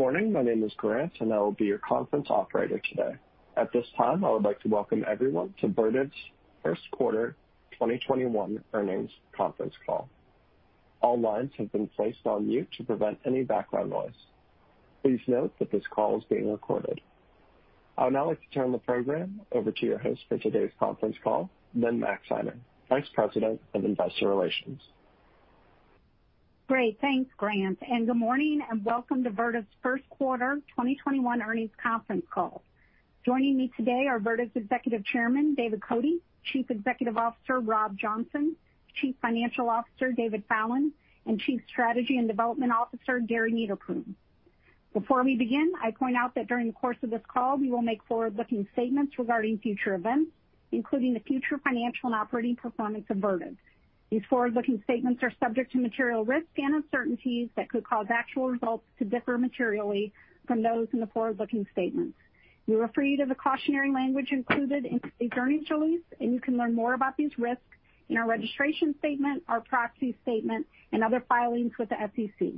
Morning. My name is Grant. I will be your conference operator today. At this time, I would like to welcome everyone to Vertiv's first quarter 2021 earnings conference call. All lines have been placed on mute to prevent any background noise. Please note that this call is being recorded. I would now like to turn the program over to your host for today's conference call, Lynne Maxeiner, Vice President of Investor Relations. Great. Thanks, Grant, and good morning, and welcome to Vertiv's first quarter 2021 earnings conference call. Joining me today are Vertiv's Executive Chairman, David Cote; Chief Executive Officer, Rob Johnson; Chief Financial Officer, David Fallon; and Chief Strategy and Development Officer, Gary Niederpruem. Before we begin, I point out that during the course of this call, we will make forward-looking statements regarding future events, including the future financial and operating performance of Vertiv. These forward-looking statements are subject to material risks and uncertainties that could cause actual results to differ materially from those in the forward-looking statements. We refer you to the cautionary language included in today's earnings release, and you can learn more about these risks in our registration statement, our proxy statement, and other filings with the SEC.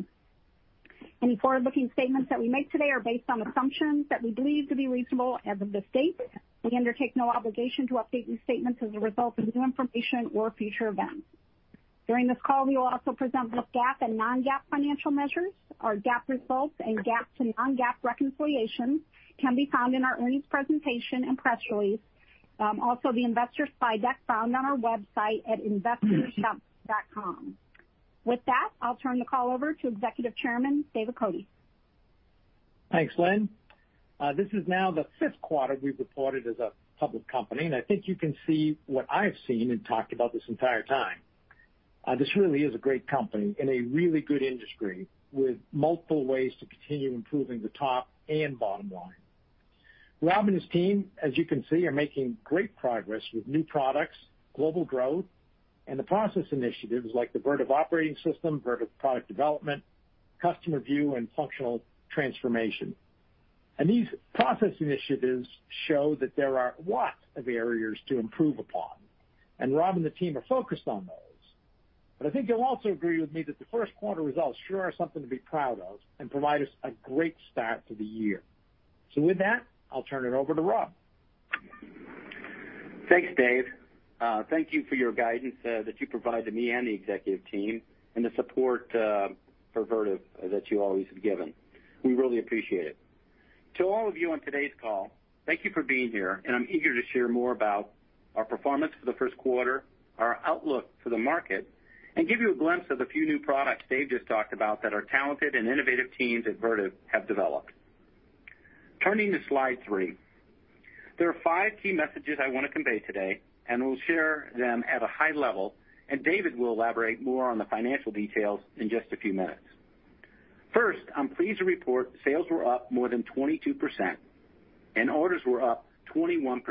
Any forward-looking statements that we make today are based on assumptions that we believe to be reasonable as of this date. We undertake no obligation to update these statements as a result of new information or future events. During this call, we will also present both GAAP and non-GAAP financial measures. Our GAAP results and GAAP to non-GAAP reconciliations can be found in our earnings presentation and press release. Also, the investor slide deck found on our website at investors.vertiv.com. With that, I'll turn the call over to Executive Chairman, David Cote. Thanks, Lynne. This is now the fifth quarter we've reported as a public company, and I think you can see what I've seen and talked about this entire time. This really is a great company in a really good industry with multiple ways to continue improving the top and bottom line. Rob and his team, as you can see, are making great progress with new products, global growth, and the process initiatives like the Vertiv Operating System, Vertiv Product Development, Customer View, and Functional Transformation. These process initiatives show that there are lots of areas to improve upon, and Rob and the team are focused on those. I think you'll also agree with me that the first quarter results sure are something to be proud of and provide us a great start to the year. With that, I'll turn it over to Rob. Thanks, Dave. Thank you for your guidance, that you provide to me and the executive team and the support for Vertiv that you always have given. We really appreciate it. To all of you on today's call, thank you for being here, and I'm eager to share more about our performance for the first quarter, our outlook for the market, and give you a glimpse of the few new products Dave just talked about that our talented and innovative teams at Vertiv have developed. Turning to slide three. There are five key messages I want to convey today, and we'll share them at a high level, and David will elaborate more on the financial details in just a few minutes. First, I'm pleased to report sales were up more than 22%, and orders were up 21%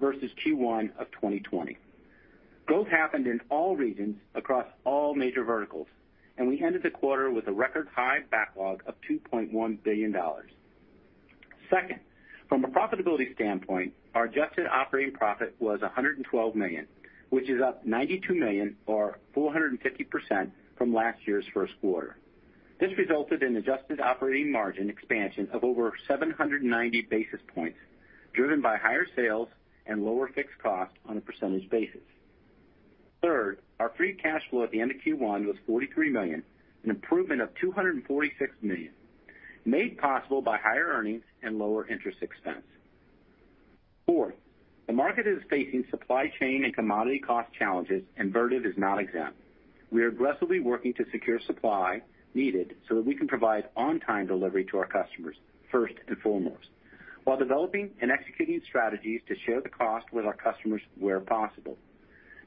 versus Q1 of 2020. Growth happened in all regions across all major verticals, and we ended the quarter with a record-high backlog of $2.1 billion. Second, from a profitability standpoint, our adjusted operating profit was $112 million, which is up $92 million or 450% from last year's first quarter. This resulted in adjusted operating margin expansion of over 790 basis points, driven by higher sales and lower fixed cost on a % basis. Third, our free cash flow at the end of Q1 was $43 million, an improvement of $246 million, made possible by higher earnings and lower interest expense. Fourth, the market is facing supply chain and commodity cost challenges, and Vertiv is not exempt. We are aggressively working to secure supply needed so that we can provide on-time delivery to our customers first and foremost while developing and executing strategies to share the cost with our customers where possible.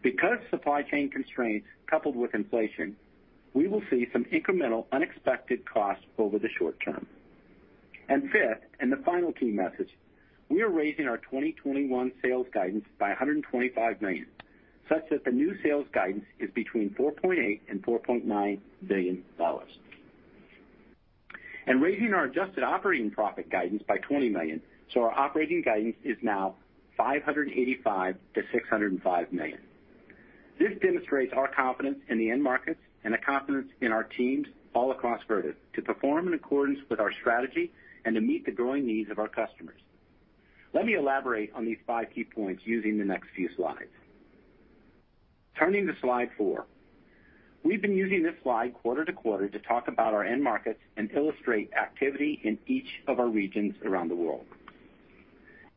Because of supply chain constraints coupled with inflation, we will see some incremental unexpected costs over the short term. Fifth, and the final key message, we are raising our 2021 sales guidance by $125 million, such that the new sales guidance is between $4.8 billion and $4.9 billion. Raising our adjusted operating profit guidance by $20 million, so our operating guidance is now $585 million to $605 million. This demonstrates our confidence in the end markets and the confidence in our teams all across Vertiv to perform in accordance with our strategy and to meet the growing needs of our customers. Let me elaborate on these five key points using the next few slides. Turning to slide four. We've been using this slide quarter to quarter to talk about our end markets and illustrate activity in each of our regions around the world.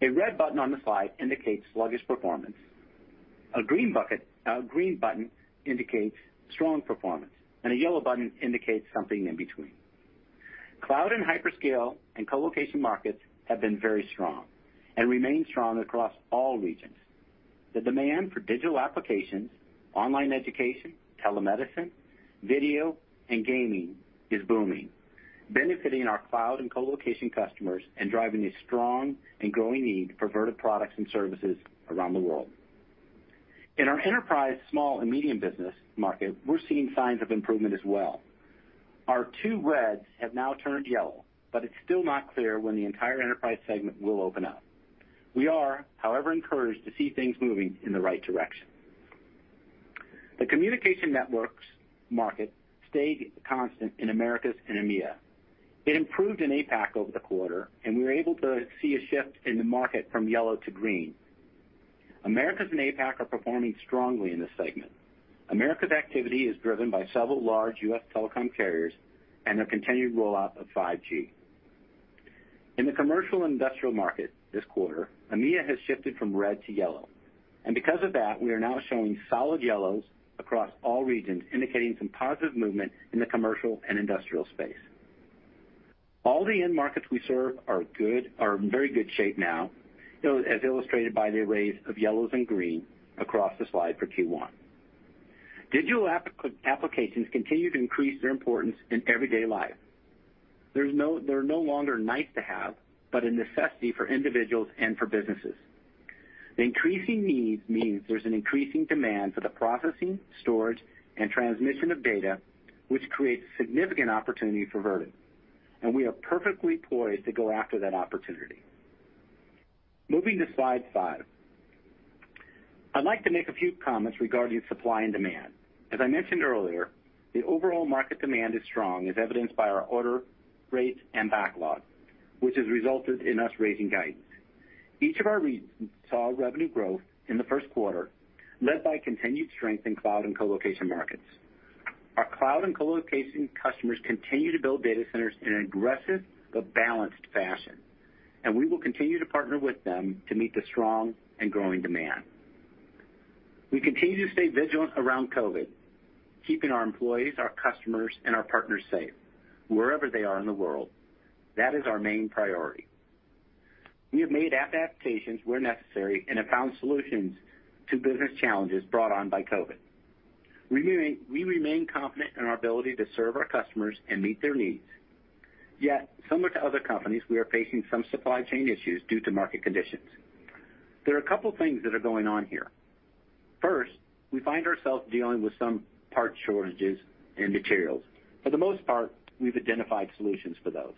A red button on the slide indicates sluggish performance. A green button indicates strong performance, and a yellow button indicates something in between. Cloud and hyperscale and colocation markets have been very strong and remain strong across all regions. The demand for digital applications, online education, telemedicine, video, and gaming is booming, benefiting our cloud and colocation customers and driving a strong and growing need for Vertiv products and services around the world. In our enterprise small and medium business market, we're seeing signs of improvement as well. Our two reds have now turned yellow, but it's still not clear when the entire enterprise segment will open up. We are, however, encouraged to see things moving in the right direction. The communication networks market stayed constant in Americas and EMEA. It improved in APAC over the quarter. We were able to see a shift in the market from yellow to green. Americas and APAC are performing strongly in this segment. Americas activity is driven by several large U.S. telecom carriers and the continued rollout of 5G. In the commercial industrial market this quarter, EMEA has shifted from red to yellow. Because of that, we are now showing solid yellows across all regions, indicating some positive movement in the commercial and industrial space. All the end markets we serve are in very good shape now, as illustrated by the arrays of yellows and green across the slide for Q1. Digital applications continue to increase their importance in everyday life. They're no longer nice to have, but a necessity for individuals and for businesses. The increasing needs means there's an increasing demand for the processing, storage, and transmission of data, which creates significant opportunity for Vertiv. We are perfectly poised to go after that opportunity. Moving to slide five. I'd like to make a few comments regarding supply and demand. As I mentioned earlier, the overall market demand is strong, as evidenced by our order rates and backlog, which has resulted in us raising guidance. Each of our regions saw revenue growth in the first quarter, led by continued strength in cloud and colocation markets. Our cloud and colocation customers continue to build data centers in an aggressive but balanced fashion, and we will continue to partner with them to meet the strong and growing demand. We continue to stay vigilant around COVID, keeping our employees, our customers, and our partners safe wherever they are in the world. That is our main priority. We have made adaptations where necessary and have found solutions to business challenges brought on by COVID. We remain confident in our ability to serve our customers and meet their needs. Yet, similar to other companies, we are facing some supply chain issues due to market conditions. There are a couple things that are going on here. First, we find ourselves dealing with some part shortages in materials. For the most part, we've identified solutions for those.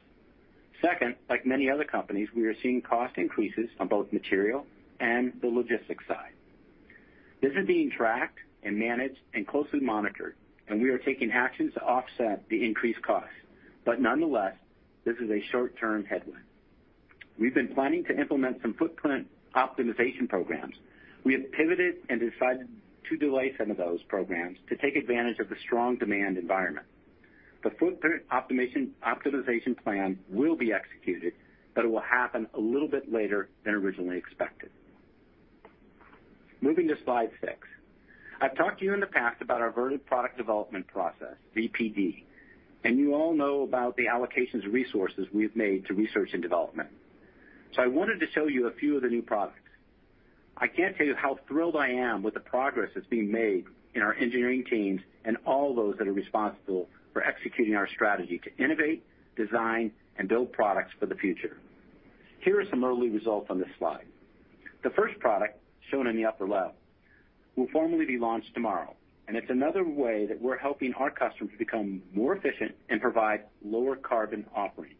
Second, like many other companies, we are seeing cost increases on both material and the logistics side. This is being tracked and managed and closely monitored, and we are taking actions to offset the increased costs, but nonetheless, this is a short-term headwind. We've been planning to implement some footprint optimization programs. We have pivoted and decided to delay some of those programs to take advantage of the strong demand environment. The footprint optimization plan will be executed, but it will happen a little bit later than originally expected. Moving to slide six. I've talked to you in the past about our Vertiv Product Development process, VPD, and you all know about the allocations of resources we've made to research and development. I wanted to show you a few of the new products. I can't tell you how thrilled I am with the progress that's being made in our engineering teams and all those that are responsible for executing our strategy to innovate, design, and build products for the future. Here are some early results on this slide. The first product, shown in the upper left, will formally be launched tomorrow, and it's another way that we're helping our customers become more efficient and provide lower carbon offerings.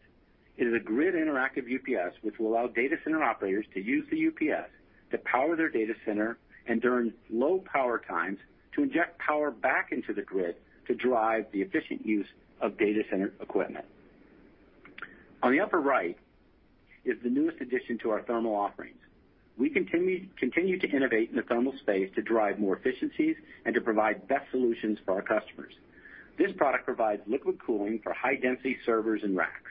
It is a grid-interactive UPS, which will allow data center operators to use the UPS to power their data center, and during low-power times, to inject power back into the grid to drive the efficient use of data center equipment. On the upper right is the newest addition to our thermal offerings. We continue to innovate in the thermal space to drive more efficiencies and to provide best solutions for our customers. This product provides liquid cooling for high-density servers and racks,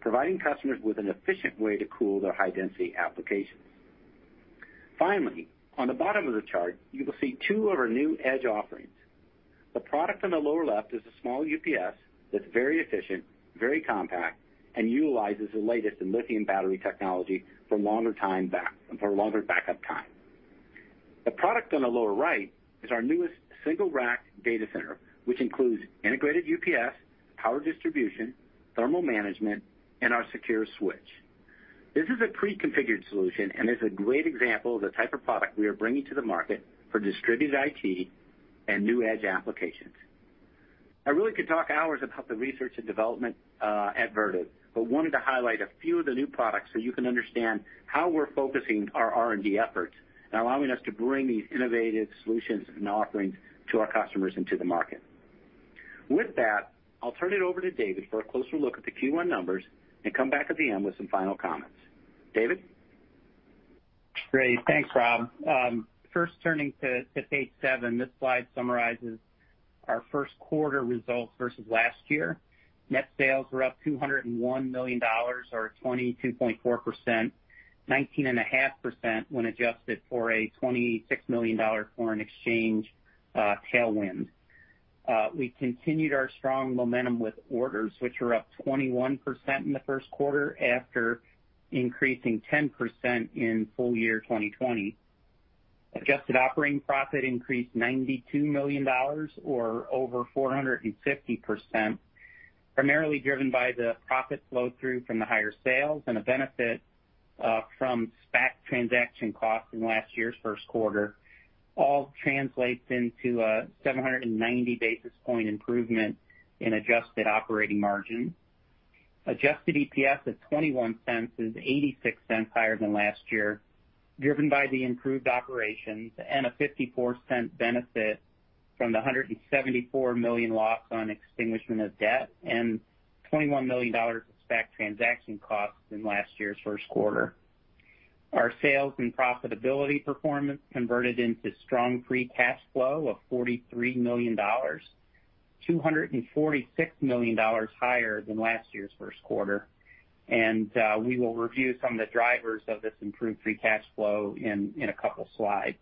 providing customers with an efficient way to cool their high-density applications. Finally, on the bottom of the chart, you will see two of our new Edge offerings. The product on the lower left is a small UPS that's very efficient, very compact, and utilizes the latest in lithium battery technology for longer backup time. The product on the lower right is our newest single-rack data center, which includes integrated UPS, power distribution, thermal management, and our secure switch. This is a pre-configured solution and is a great example of the type of product we are bringing to the market for distributed IT and new Edge applications. I really could talk hours about the research and development at Vertiv, but wanted to highlight a few of the new products so you can understand how we're focusing our R&D efforts and allowing us to bring these innovative solutions and offerings to our customers and to the market. With that, I'll turn it over to David for a closer look at the Q1 numbers and come back at the end with some final comments. David? Great. Thanks, Rob. First, turning to page seven. This slide summarizes our first quarter results versus last year. Net sales were up $201 million, or 22.4%, 19.5% when adjusted for a $26 million foreign exchange tailwind. We continued our strong momentum with orders, which were up 21% in the first quarter after increasing 10% in full year 2020. Adjusted operating profit increased $92 million, or over 450%, primarily driven by the profit flow-through from the higher sales and a benefit from SPAC transaction costs in last year's first quarter. All translates into a 790 basis point improvement in adjusted operating margin. Adjusted EPS of $0.21 is $0.86 higher than last year, driven by the improved operations and a $0.54 benefit from the $174 million loss on extinguishment of debt and $21 million of SPAC transaction costs in last year's first quarter. Our sales and profitability performance converted into strong free cash flow of $43 million, $246 million higher than last year's first quarter. We will review some of the drivers of this improved free cash flow in a couple slides.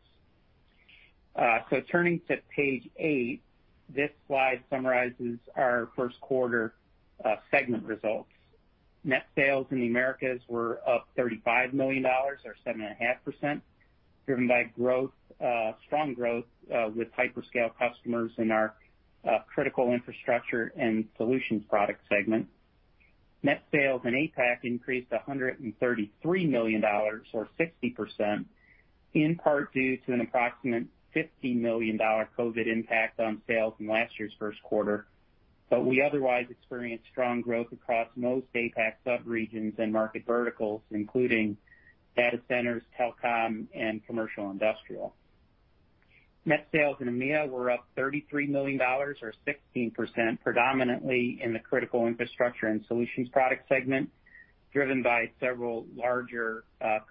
Turning to page eight, this slide summarizes our first quarter segment results. Net sales in the Americas were up $35 million or 7.5%, driven by strong growth with hyperscale customers in our Critical Infrastructure and Solutions Product segment. Net sales in APAC increased $133 million or 60%, in part due to an approximate $15 million COVID impact on sales in last year's first quarter. We otherwise experienced strong growth across most APAC sub-regions and market verticals, including data centers, telecom, and commercial industrial. Net sales in EMEA were up $33 million or 16%, predominantly in the Critical Infrastructure and Solutions Product segment, driven by several larger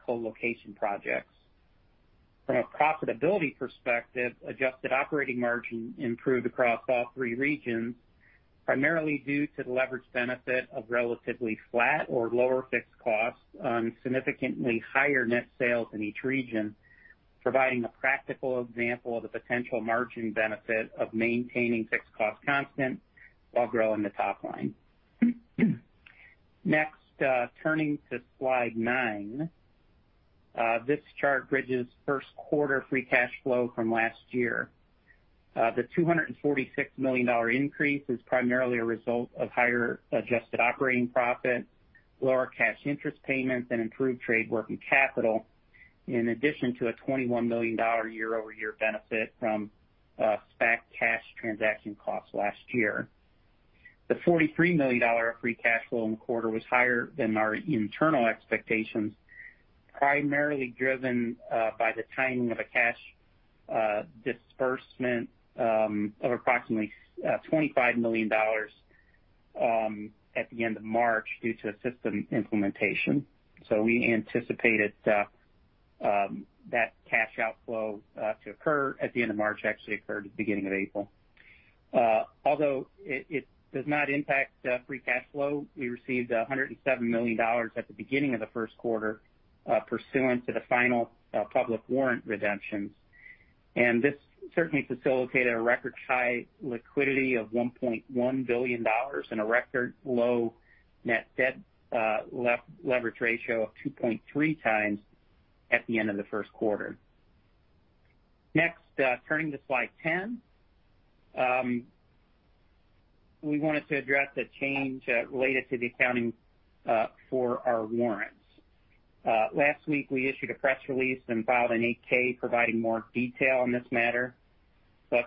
co-location projects. From a profitability perspective, adjusted operating margin improved across all three regions, primarily due to the leverage benefit of relatively flat or lower fixed costs on significantly higher net sales in each region, providing a practical example of the potential margin benefit of maintaining fixed cost constant while growing the top line. Turning to slide nine. This chart bridges first quarter free cash flow from last year. The $246 million increase is primarily a result of higher adjusted operating profit, lower cash interest payments, and improved trade working capital, in addition to a $21 million year-over-year benefit from SPAC cash transaction costs last year. The $43 million of free cash flow in the quarter was higher than our internal expectations, primarily driven by the timing of a cash disbursement of approximately $25 million at the end of March due to a system implementation. We anticipated that cash outflow to occur at the end of March, actually occurred at the beginning of April. Although it does not impact free cash flow, we received $107 million at the beginning of the first quarter, pursuant to the final public warrant redemptions. This certainly facilitated a record-high liquidity of $1.1 billion and a record low net debt leverage ratio of 2.3x at the end of the first quarter. Next, turning to slide 10. We wanted to address a change related to the accounting for our warrants. Last week, we issued a press release and filed an 8-K providing more detail on this matter.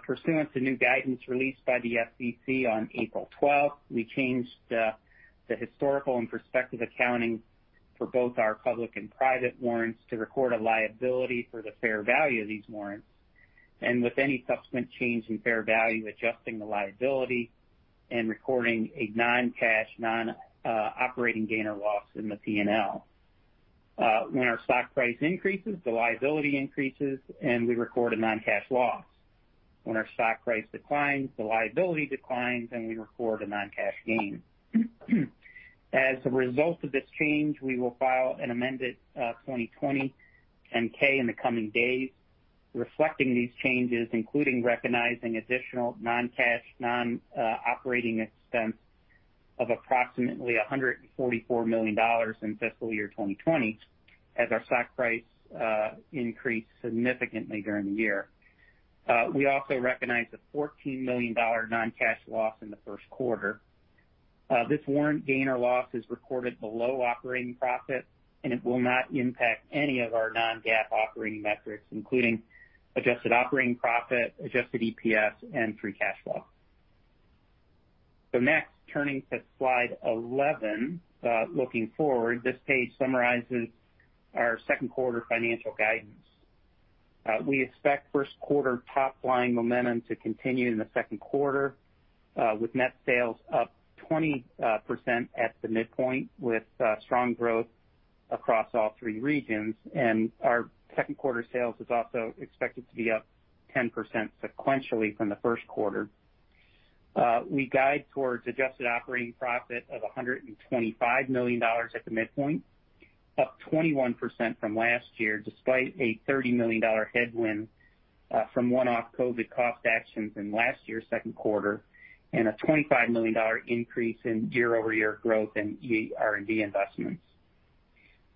Pursuant to new guidance released by the SEC on April 12th, we changed the historical and prospective accounting for both our public and private warrants to record a liability for the fair value of these warrants. With any subsequent change in fair value, adjusting the liability and recording a non-cash, non-operating gain or loss in the P&L. When our stock price increases, the liability increases, and we record a non-cash loss. When our stock price declines, the liability declines, and we record a non-cash gain. As a result of this change, we will file an amended 2020 10-K in the coming days reflecting these changes, including recognizing additional non-cash, non-operating expense of approximately $144 million in fiscal year 2020 as our stock price increased significantly during the year. We also recognize a $14 million non-cash loss in the first quarter. This warrant gain or loss is recorded below operating profit, and it will not impact any of our non-GAAP operating metrics, including adjusted operating profit, adjusted EPS, and free cash flow. Next, turning to slide 11. Looking forward, this page summarizes our second quarter financial guidance. We expect first quarter top line momentum to continue in the second quarter, with net sales up 20% at the midpoint, with strong growth across all three regions, and our second quarter sales is also expected to be up 10% sequentially from the first quarter. We guide towards adjusted operating profit of $125 million at the midpoint, up 21% from last year, despite a $30 million headwind from one-off COVID cost actions in last year's second quarter and a $25 million increase in year-over-year growth in R&D investments.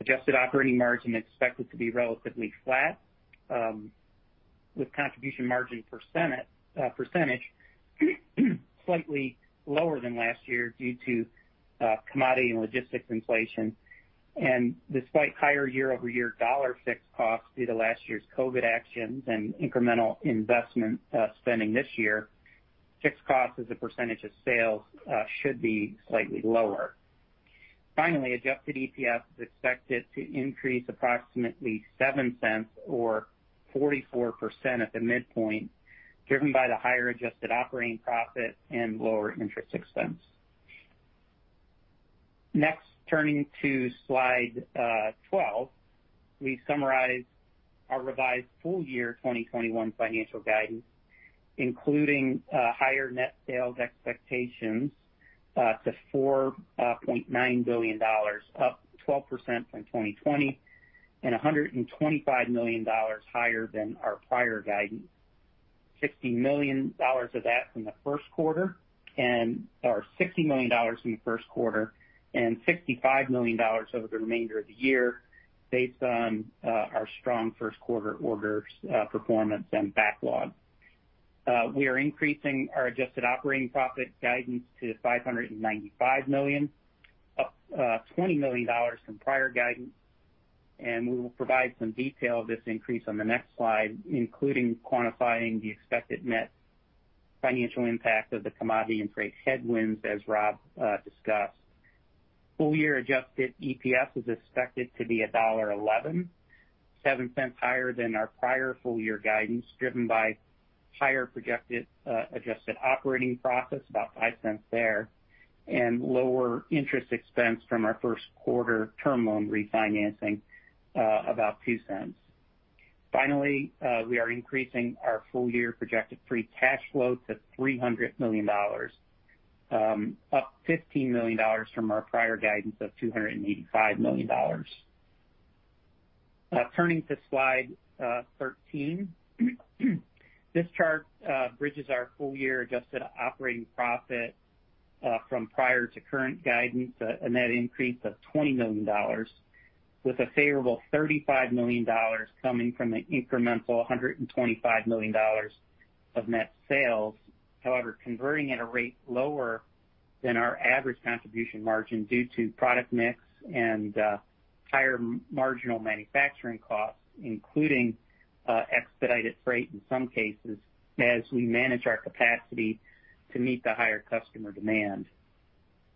Adjusted operating margin expected to be relatively flat, with contribution margin % slightly lower than last year due to commodity and logistics inflation. Despite higher year-over-year dollar fixed costs due to last year's COVID actions and incremental investment spending this year, fixed costs as a % of sales should be slightly lower. Finally, adjusted EPS is expected to increase approximately $0.07 or 44% at the midpoint, driven by the higher adjusted operating profit and lower interest expense. Turning to slide 12, we summarize our revised full year 2021 financial guidance, including higher net sales expectations to $4.9 billion, up 12% from 2020 and $125 million higher than our prior guidance, $60 million of that from the first quarter or $60 million in the first quarter and $65 million over the remainder of the year based on our strong first quarter orders, performance, and backlog. We are increasing our adjusted operating profit guidance to $595 million, up $20 million from prior guidance. We will provide some detail of this increase on the next slide, including quantifying the expected net financial impact of the commodity and freight headwinds as Rob discussed. Full year adjusted EPS is expected to be $1.11, $0.07 higher than our prior full year guidance, driven by higher projected adjusted operating profits, about $0.05 there, and lower interest expense from our first quarter term loan refinancing, about $0.02. Finally, we are increasing our full year projected free cash flow to $300 million, up $15 million from our prior guidance of $285 million. Turning to slide 13. This chart bridges our full year adjusted operating profit from prior to current guidance, a net increase of $20 million with a favorable $35 million coming from the incremental $125 million of net sales. However, converting at a rate lower than our average contribution margin due to product mix and higher marginal manufacturing costs, including expedited freight in some cases, as we manage our capacity to meet the higher customer demand.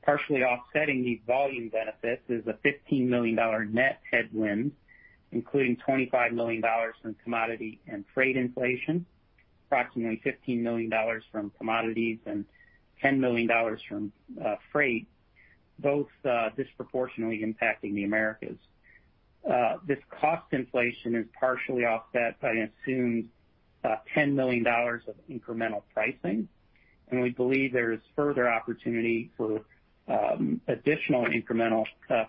Partially offsetting these volume benefits is a $15 million net headwind, including $25 million from commodity and freight inflation, approximately $15 million from commodities and $10 million from freight, both disproportionately impacting the Americas. This cost inflation is partially offset by assumed $10 million of incremental pricing. We believe there is further opportunity for additional incremental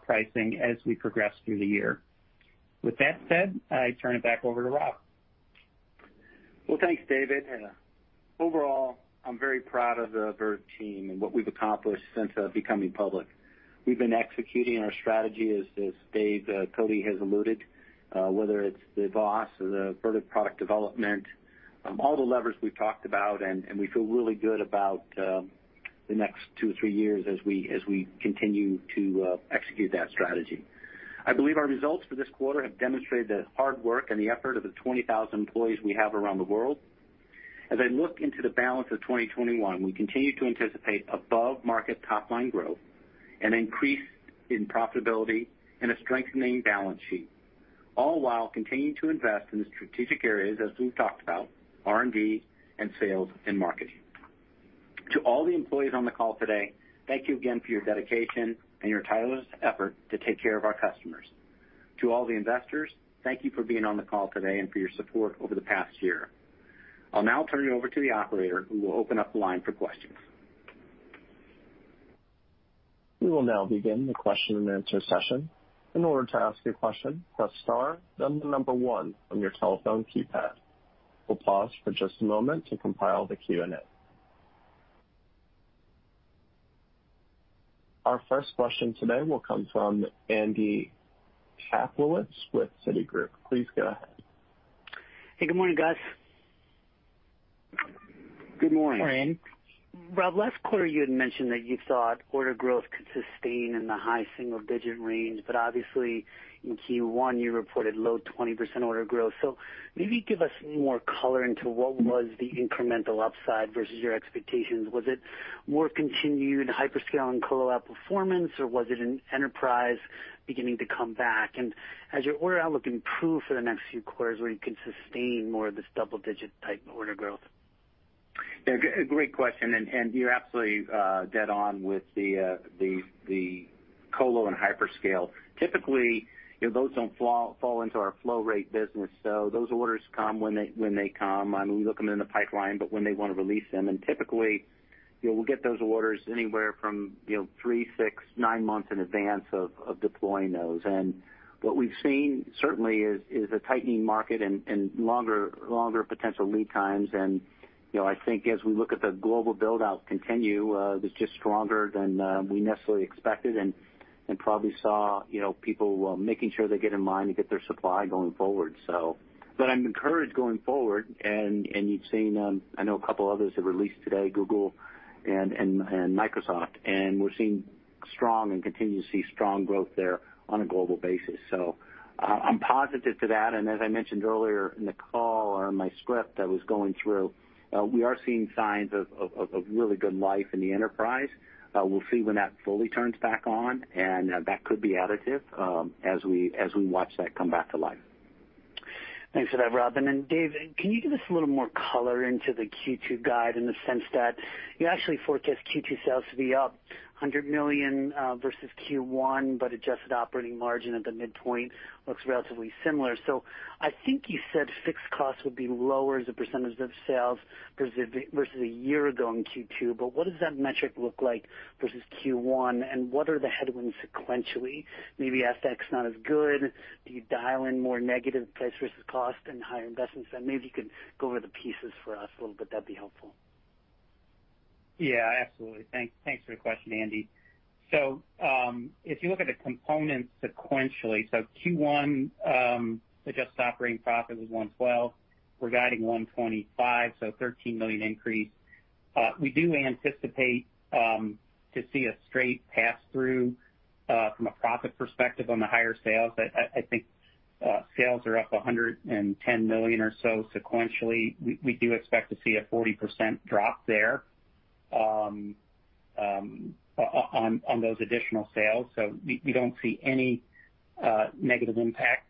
pricing as we progress through the year. With that said, I turn it back over to Rob Johnson. Well, thanks, David. Overall, I'm very proud of the Vertiv team and what we've accomplished since becoming public. We've been executing our strategy as David Cote has alluded, whether it's the VOS or the Vertiv Product Development, all the levers we've talked about, and we feel really good about the next two or three years as we continue to execute that strategy. I believe our results for this quarter have demonstrated the hard work and the effort of the 20,000 employees we have around the world. As I look into the balance of 2021, we continue to anticipate above-market top-line growth, an increase in profitability and a strengthening balance sheet, all while continuing to invest in the strategic areas as we've talked about, R&D and sales and marketing. To all the employees on the call today, thank you again for your dedication and your tireless effort to take care of our customers. To all the investors, thank you for being on the call today and for your support over the past year. I'll now turn it over to the operator who will open up the line for questions. We will now begin the question-and-answer session. In order to ask a question, press star then the number one on your telephone keypad. We will pause for just a moment to compile the Q&A. Our first question today will come from Andrew Kaplowitz with Citigroup. Please go ahead. Hey, good morning, guys. Good morning. Morning. Rob, last quarter you had mentioned that you thought order growth could sustain in the high single-digit range. Obviously, in Q1 you reported low 20% order growth. Maybe give us more color into what was the incremental upside versus your expectations. Was it more continued hyperscale and co-lo performance, or was it an enterprise beginning to come back? Has your order outlook improved for the next few quarters where you can sustain more of this double-digit type order growth? Yeah. Great question, and you're absolutely dead on with the co-lo and hyperscale. Typically, those don't fall into our flow rate business. Those orders come when they come. I mean, we look them in the pipeline, but when they want to release them. Typically, we'll get those orders anywhere from three, six, nine months in advance of deploying those. What we've seen certainly is a tightening market and longer potential lead times. I think as we look at the global build-out continue, it's just stronger than we necessarily expected and probably saw people making sure they get in line to get their supply going forward, so. I'm encouraged going forward. You've seen, I know a couple others have released today, Google and Microsoft. We're seeing strong and continue to see strong growth there on a global basis. I'm positive to that, and as I mentioned earlier in the call, or in my script I was going through, we are seeing signs of really good life in the enterprise. We'll see when that fully turns back on, and that could be additive as we watch that come back to life. Thanks for that, Rob Johnson. David Fallon, can you give us a little more color into the Q2 guide in the sense that you actually forecast Q2 sales to be up $100 million versus Q1, but adjusted operating margin at the midpoint looks relatively similar. I think you said fixed costs would be lower as a %e of sales versus a year ago in Q2, but what does that metric look like versus Q1, and what are the headwinds sequentially? Maybe FX not as good. Do you dial in more negative price versus cost and higher investments? Maybe you can go over the pieces for us a little bit. That'd be helpful. Yeah, absolutely. Thanks for the question, Andy. If you look at the components sequentially, Q1 adjusted operating profit was $112. We're guiding $125, $13 million increase. We do anticipate to see a straight pass-through from a profit perspective on the higher sales. I think sales are up $110 million or so sequentially. We do expect to see a 40% drop-through on those additional sales. We don't see any negative impact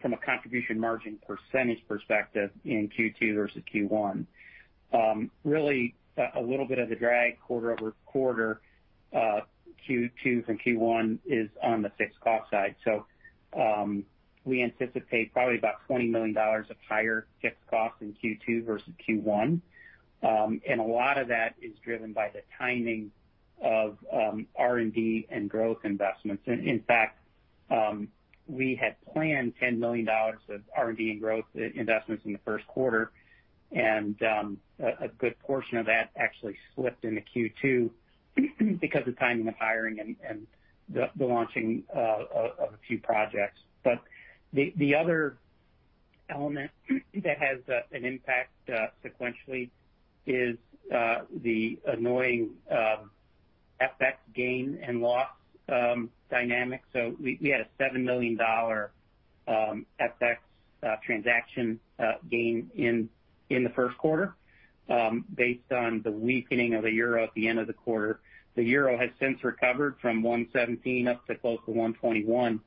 from a contribution margin % perspective in Q2 versus Q1. Really, a little bit of the drag quarter-over-quarter Q2 from Q1 is on the fixed cost side. We anticipate probably about $20 million of higher fixed costs in Q2 versus Q1. A lot of that is driven by the timing of R&D and growth investments. In fact, we had planned $10 million of R&D and growth investments in the first quarter, and a good portion of that actually slipped into Q2 because of timing of hiring and the launching of a few projects. The other element that has an impact sequentially is the annoying FX gain and loss dynamics. We had a $7 million FX transaction gain in the first quarter based on the weakening of the euro at the end of the quarter. The euro has since recovered from 117 up to close to 121.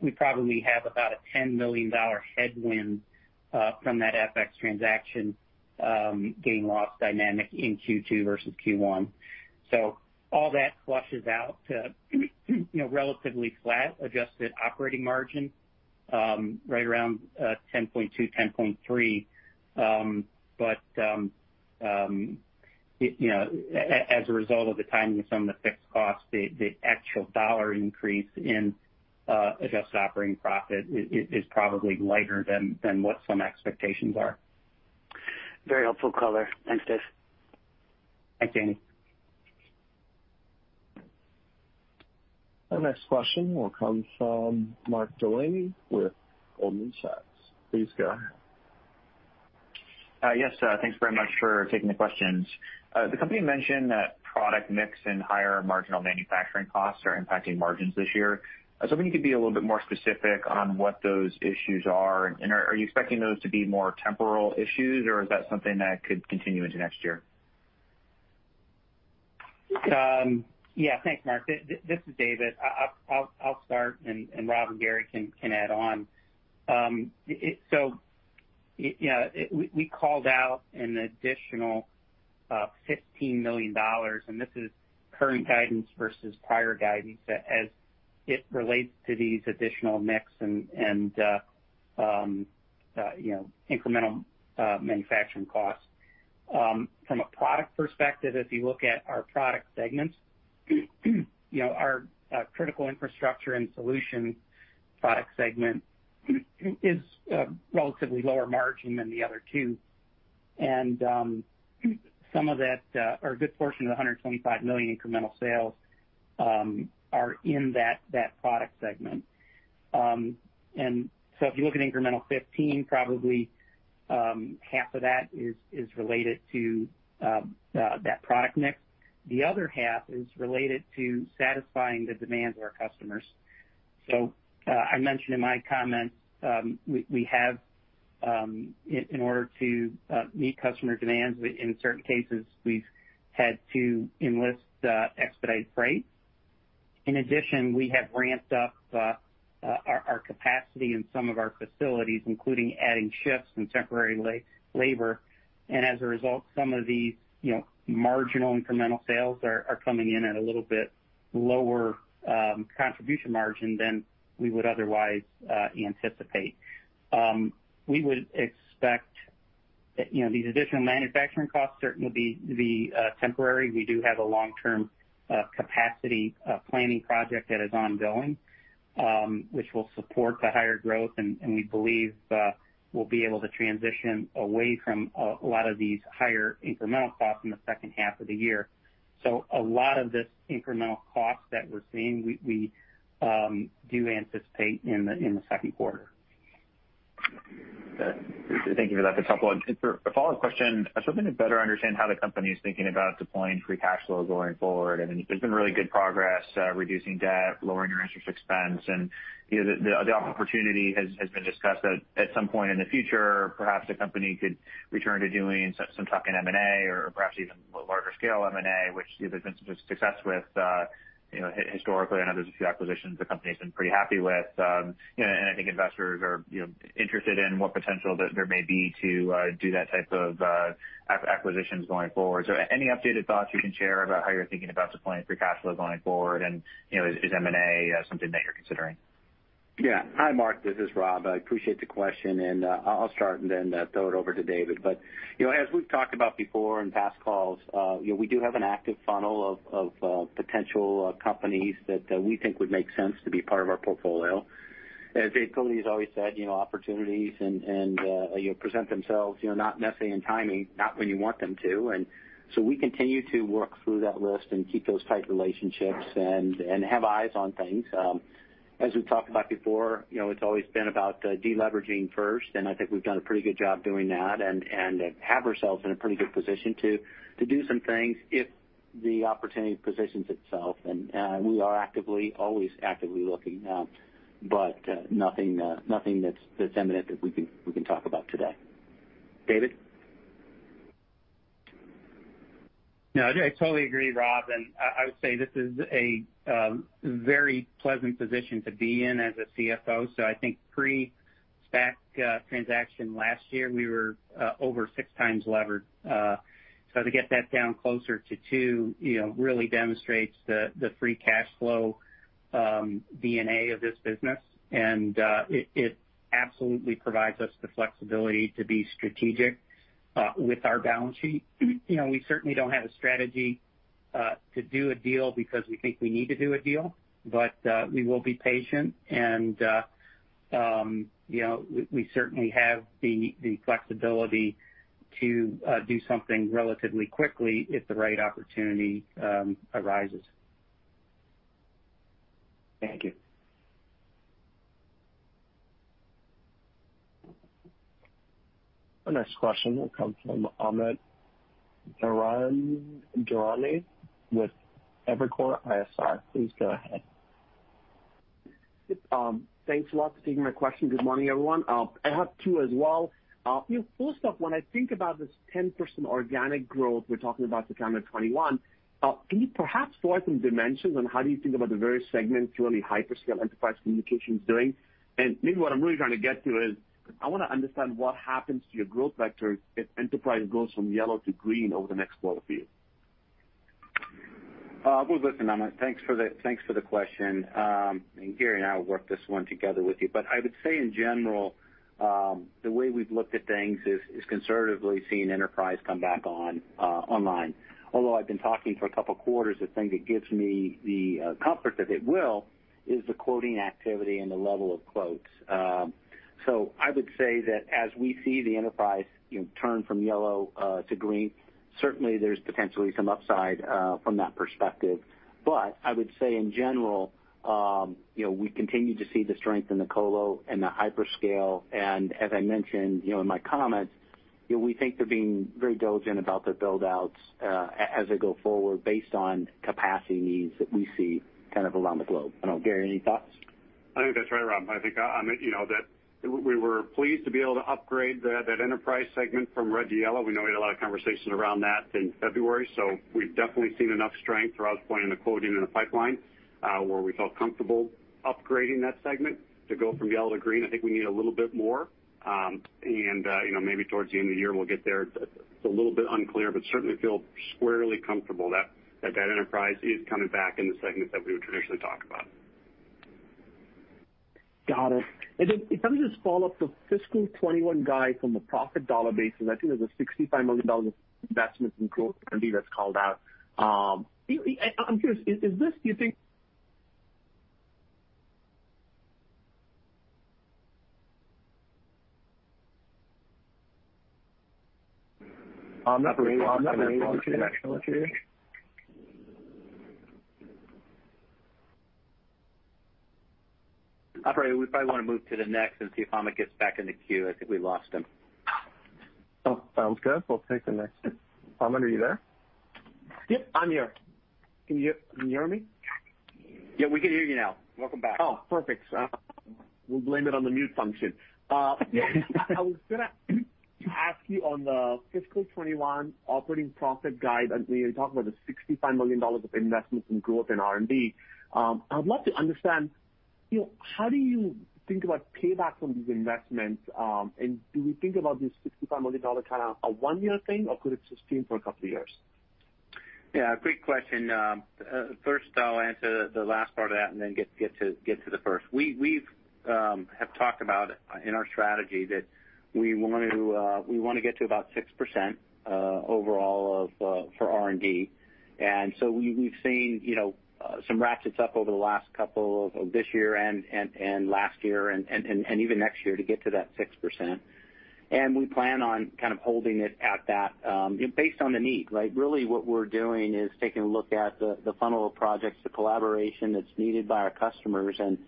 We probably have about a $10 million headwind from that FX transaction gain/loss dynamic in Q2 versus Q1. All that flushes out to relatively flat adjusted operating margin right around 10.2%, 10.3%. As a result of the timing of some of the fixed costs, the actual dollar increase in adjusted operating profit is probably lighter than what some expectations are. Very helpful color. Thanks, Dave. Thanks, Andy. Our next question will come from Mark Delaney with Goldman Sachs. Please go ahead. Yes. Thanks very much for taking the questions. The company mentioned that product mix and higher marginal manufacturing costs are impacting margins this year. I was hoping you could be a little bit more specific on what those issues are, and are you expecting those to be more temporal issues, or is that something that could continue into next year? Yeah. Thanks, Mark. This is David. I'll start, and Rob and Gary can add on. We called out an additional $15 million, this is current guidance versus prior guidance as it relates to these additional mix and incremental manufacturing costs. From a product perspective, if you look at our product segments our Critical Infrastructure and Solutions Product segment is relatively lower margin than the other two. A good portion of the $125 million incremental sales are in that product segment. If you look at incremental $15 million, probably half of that is related to that product mix. The other 1/2 is related to satisfying the demands of our customers. I mentioned in my comments, in order to meet customer demands, in certain cases, we've had to enlist expedited freight. In addition, we have ramped up our capacity in some of our facilities, including adding shifts and temporary labor. As a result, some of these marginal incremental sales are coming in at a little bit lower contribution margin than we would otherwise anticipate. We would expect these additional manufacturing costs certainly will be temporary. We do have a long-term capacity planning project that is ongoing, which will support the higher growth, and we believe we will be able to transition away from a lot of these higher incremental costs in the second half of the year. A lot of this incremental cost that we are seeing, we do anticipate in the second quarter. Good. Thank you for that. Just a follow-up question. I was hoping to better understand how the company is thinking about deploying free cash flow going forward. There's been really good progress reducing debt, lowering your interest expense, and the opportunity has been discussed that at some point in the future, perhaps the company could return to doing some type of M&A or perhaps even larger scale M&A, which there's been some success with historically. I know there's a few acquisitions the company's been pretty happy with. I think investors are interested in what potential there may be to do that type of acquisitions going forward. Any updated thoughts you can share about how you're thinking about deploying free cash flow going forward, and is M&A something that you're considering? Yeah. Hi, Mark, this is Rob. I appreciate the question, and I'll start and then throw it over to David. As we've talked about before in past calls, we do have an active funnel of potential companies that we think would make sense to be part of our portfolio. As David Cote has always said, opportunities present themselves not necessarily in timing, not when you want them to. We continue to work through that list and keep those tight relationships and have eyes on things. As we've talked about before, it's always been about de-leveraging first, and I think we've done a pretty good job doing that and have ourselves in a pretty good position to do some things if the opportunity positions itself. We are always actively looking. Nothing that's imminent that we can talk about today. David? No, I totally agree, Rob, and I would say this is a very pleasant position to be in as a CFO. I think pre-SPAC transaction last year, we were over 6x levered. To get that down closer to two really demonstrates the free cash flow DNA of this business. It absolutely provides us the flexibility to be strategic with our balance sheet. We certainly don't have a strategy to do a deal because we think we need to do a deal, but we will be patient and we certainly have the flexibility to do something relatively quickly if the right opportunity arises. Thank you. Our next question will come from Amit Daryanani with Evercore ISI. Please go ahead. Thanks a lot for taking my question. Good morning, everyone. I have two as well. First off, when I think about this 10% organic growth we're talking about for calendar 2021, can you perhaps throw out some dimensions on how do you think about the various segments, purely hyperscale, enterprise communications doing? Maybe what I'm really trying to get to is I want to understand what happens to your growth vector if enterprise goes from yellow to green over the next 12 months. Well, listen, Amit, thanks for the question. Gary and I will work this one together with you. I would say in general, the way we've looked at things is conservatively seeing enterprise come back online. Although I've been talking for a couple of quarters, the thing that gives me the comfort that it will is the quoting activity and the level of quotes. I would say that as we see the enterprise turn from yellow to green, certainly there's potentially some upside from that perspective. I would say in general, we continue to see the strength in the colo and the hyperscale, and as I mentioned in my comments, we think they're being very diligent about their build-outs as they go forward based on capacity needs that we see around the globe. I don't know, Gary, any thoughts? I think that's right, Rob. I think, Amit, that we were pleased to be able to upgrade that enterprise segment from red to yellow. We know we had a lot of conversations around that in February, so we've definitely seen enough strength, Rob's point in the quoting in the pipeline, where we felt comfortable upgrading that segment to go from yellow to green. I think we need a little bit more. Maybe towards the end of the year, we'll get there. It's a little bit unclear, but certainly feel squarely comfortable that that enterprise is coming back in the segments that we would traditionally talk about. Got it. If I can just follow up, the fiscal 2021 guide from a profit dollar basis, I think there's a $65 million of investments in growth R&D that's called out. I'm curious, do you think? Amit, we're losing you. Operator, we probably want to move to the next and see if Amit gets back in the queue. I think we lost him. Sounds good. We'll take the next one. Amit, are you there? Yep, I'm here. Can you hear me? Yeah, we can hear you now. Welcome back. Oh, perfect. We'll blame it on the mute function. I was going to ask you on the fiscal 2021 operating profit guide, when you're talking about the $65 million of investments in growth in R&D, I would love to understand, how do you think about payback from these investments? Do we think about this $65 million as a one-year thing, or could it sustain for a couple of years? Great question. First I'll answer the last part of that and then get to the first. We have talked about in our strategy that we want to get to about 6% overall for R&D. We've seen some ratchets up over the last couple of this year and last year and even next year to get to that 6%. We plan on kind of holding it at that based on the need, right? Really what we're doing is taking a look at the funnel of projects, the collaboration that's needed by our customers, and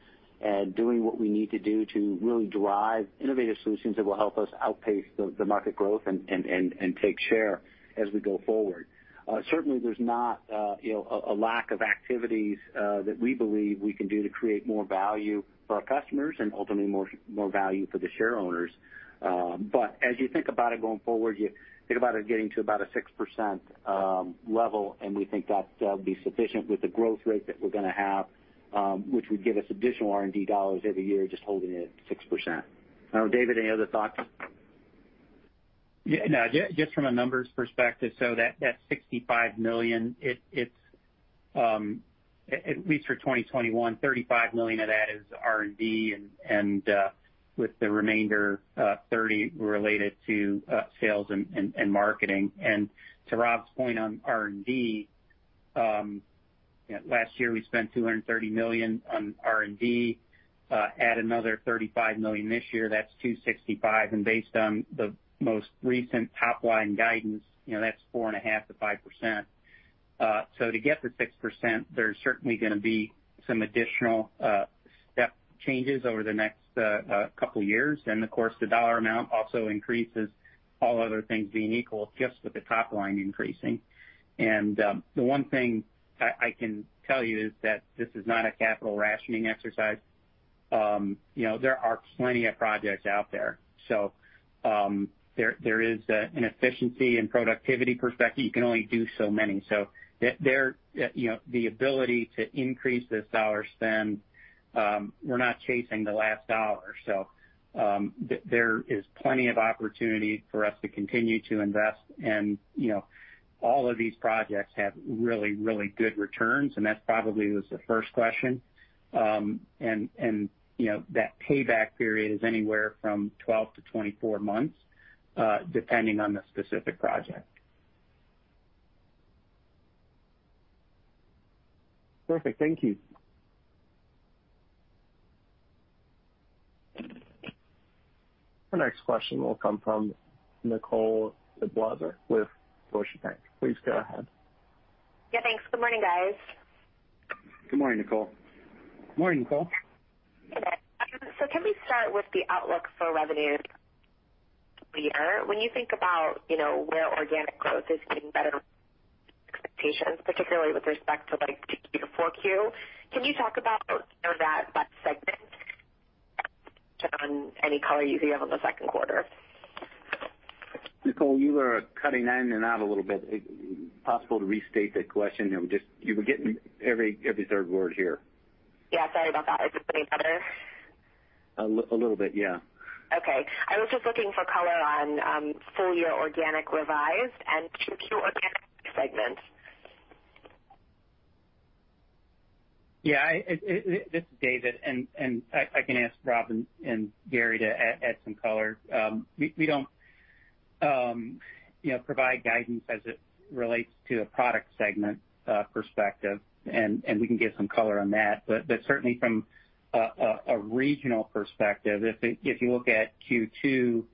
doing what we need to do to really drive innovative solutions that will help us outpace the market growth and take share as we go forward. Certainly, there's not a lack of activities that we believe we can do to create more value for our customers and ultimately more value for the shareowners. As you think about it going forward, you think about it getting to about a 6% level, and we think that'll be sufficient with the growth rate that we're going to have, which would give us additional R&D dollars every year, just holding it at 6%. David, any other thoughts? Yeah. Just from a numbers perspective, that $65 million, at least for 2021, $35 million of that is R&D, with the remainder, $30 related to sales and marketing. To Rob's point on R&D, last year we spent $230 million on R&D. Add another $35 million this year, that's $265. Based on the most recent top-line guidance, that's 4.5%-5%. To get to 6%, there's certainly going to be some additional step changes over the next couple years. Of course, the dollar amount also increases, all other things being equal, just with the top line increasing. The one thing I can tell you is that this is not a capital rationing exercise. There are plenty of projects out there. There is an efficiency and productivity perspective. You can only do so many. The ability to increase this dollar spend, we're not chasing the last dollar. There is plenty of opportunity for us to continue to invest, and all of these projects have really, really good returns, and that probably was the first question. That payback period is anywhere from 12-24 months, depending on the specific project. Perfect. Thank you. The next question will come from Nicole with Deutsche Bank. Please go ahead. Yeah, thanks. Good morning, guys. Good morning, Nicole. Morning, Nicole. Can we start with the outlook for revenue year? When you think about where organic growth is getting better expectations, particularly with respect to like Q4, can you talk about that by segment, and any color you can give on the second quarter? Nicole, you are cutting in and out a little bit. Possible to restate the question? You were getting every third word here. Yeah, sorry about that. Is this any better? A little bit, yeah. Okay. I was just looking for color on full-year organic revised and Q2 organic segment. Yeah. This is David, and I can ask Rob and Gary to add some color. We don't provide guidance as it relates to a product segment perspective, and we can give some color on that. Certainly from a regional perspective, if you look at Q2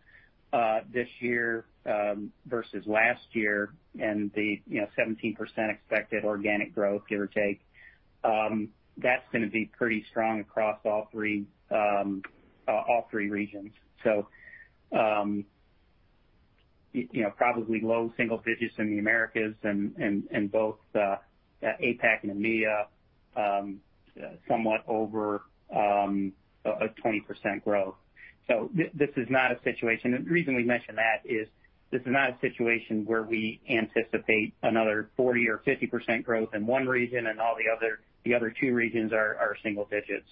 this year versus last year and the 17% expected organic growth, give or take, that's going to be pretty strong across all three regions. Probably low single digits in the Americas, and both APAC and EMEA somewhat over a 20% growth. The reason we mention that is this is not a situation where we anticipate another 40% or 50% growth in one region and all the other two regions are single digits.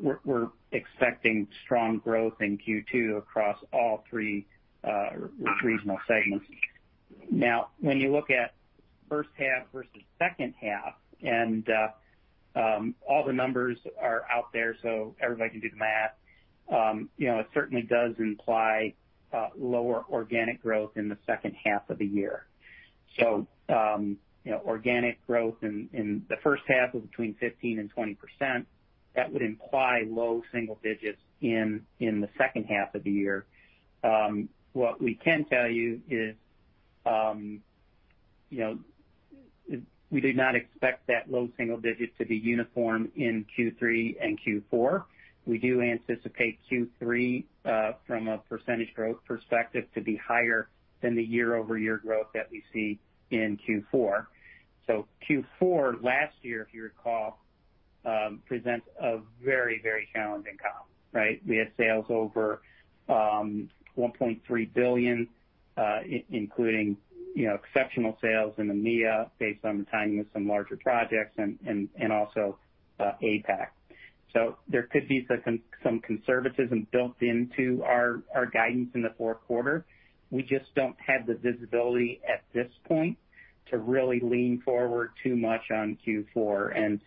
We're expecting strong growth in Q2 across all three regional segments. When you look at first half versus second half, and all the numbers are out there, so everybody can do the math. It certainly does imply lower organic growth in the second half of the year. Organic growth in the first half was between 15% and 20%. That would imply low single digits in the second half of the year. What we can tell you is we do not expect that low single digit to be uniform in Q3 and Q4. We do anticipate Q3, from a %e growth perspective, to be higher than the year-over-year growth that we see in Q4. Q4 last year, if you recall, presents a very, very challenging comp, right? We had sales over $1.3 billion including exceptional sales in EMEA based on timing of some larger projects and also APAC. There could be some conservatism built into our guidance in the fourth quarter. We just don't have the visibility at this point to really lean forward too much on Q4, and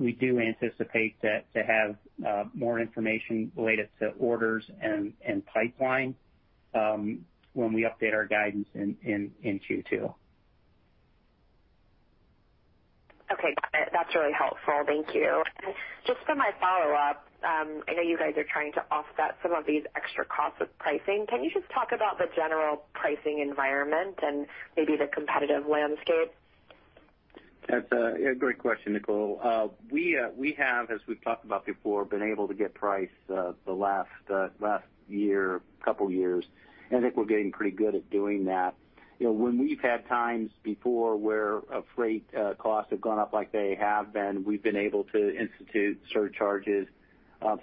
we do anticipate to have more information related to orders and pipeline when we update our guidance in Q2. Okay, got it. That's really helpful. Thank you. Just for my follow-up, I know you guys are trying to offset some of these extra costs with pricing. Can you just talk about the general pricing environment and maybe the competitive landscape? That's a great question, Nicole. We have, as we've talked about before, been able to get price the last year, couple years, and I think we're getting pretty good at doing that. When we've had times before where freight costs have gone up like they have been, we've been able to institute surcharges.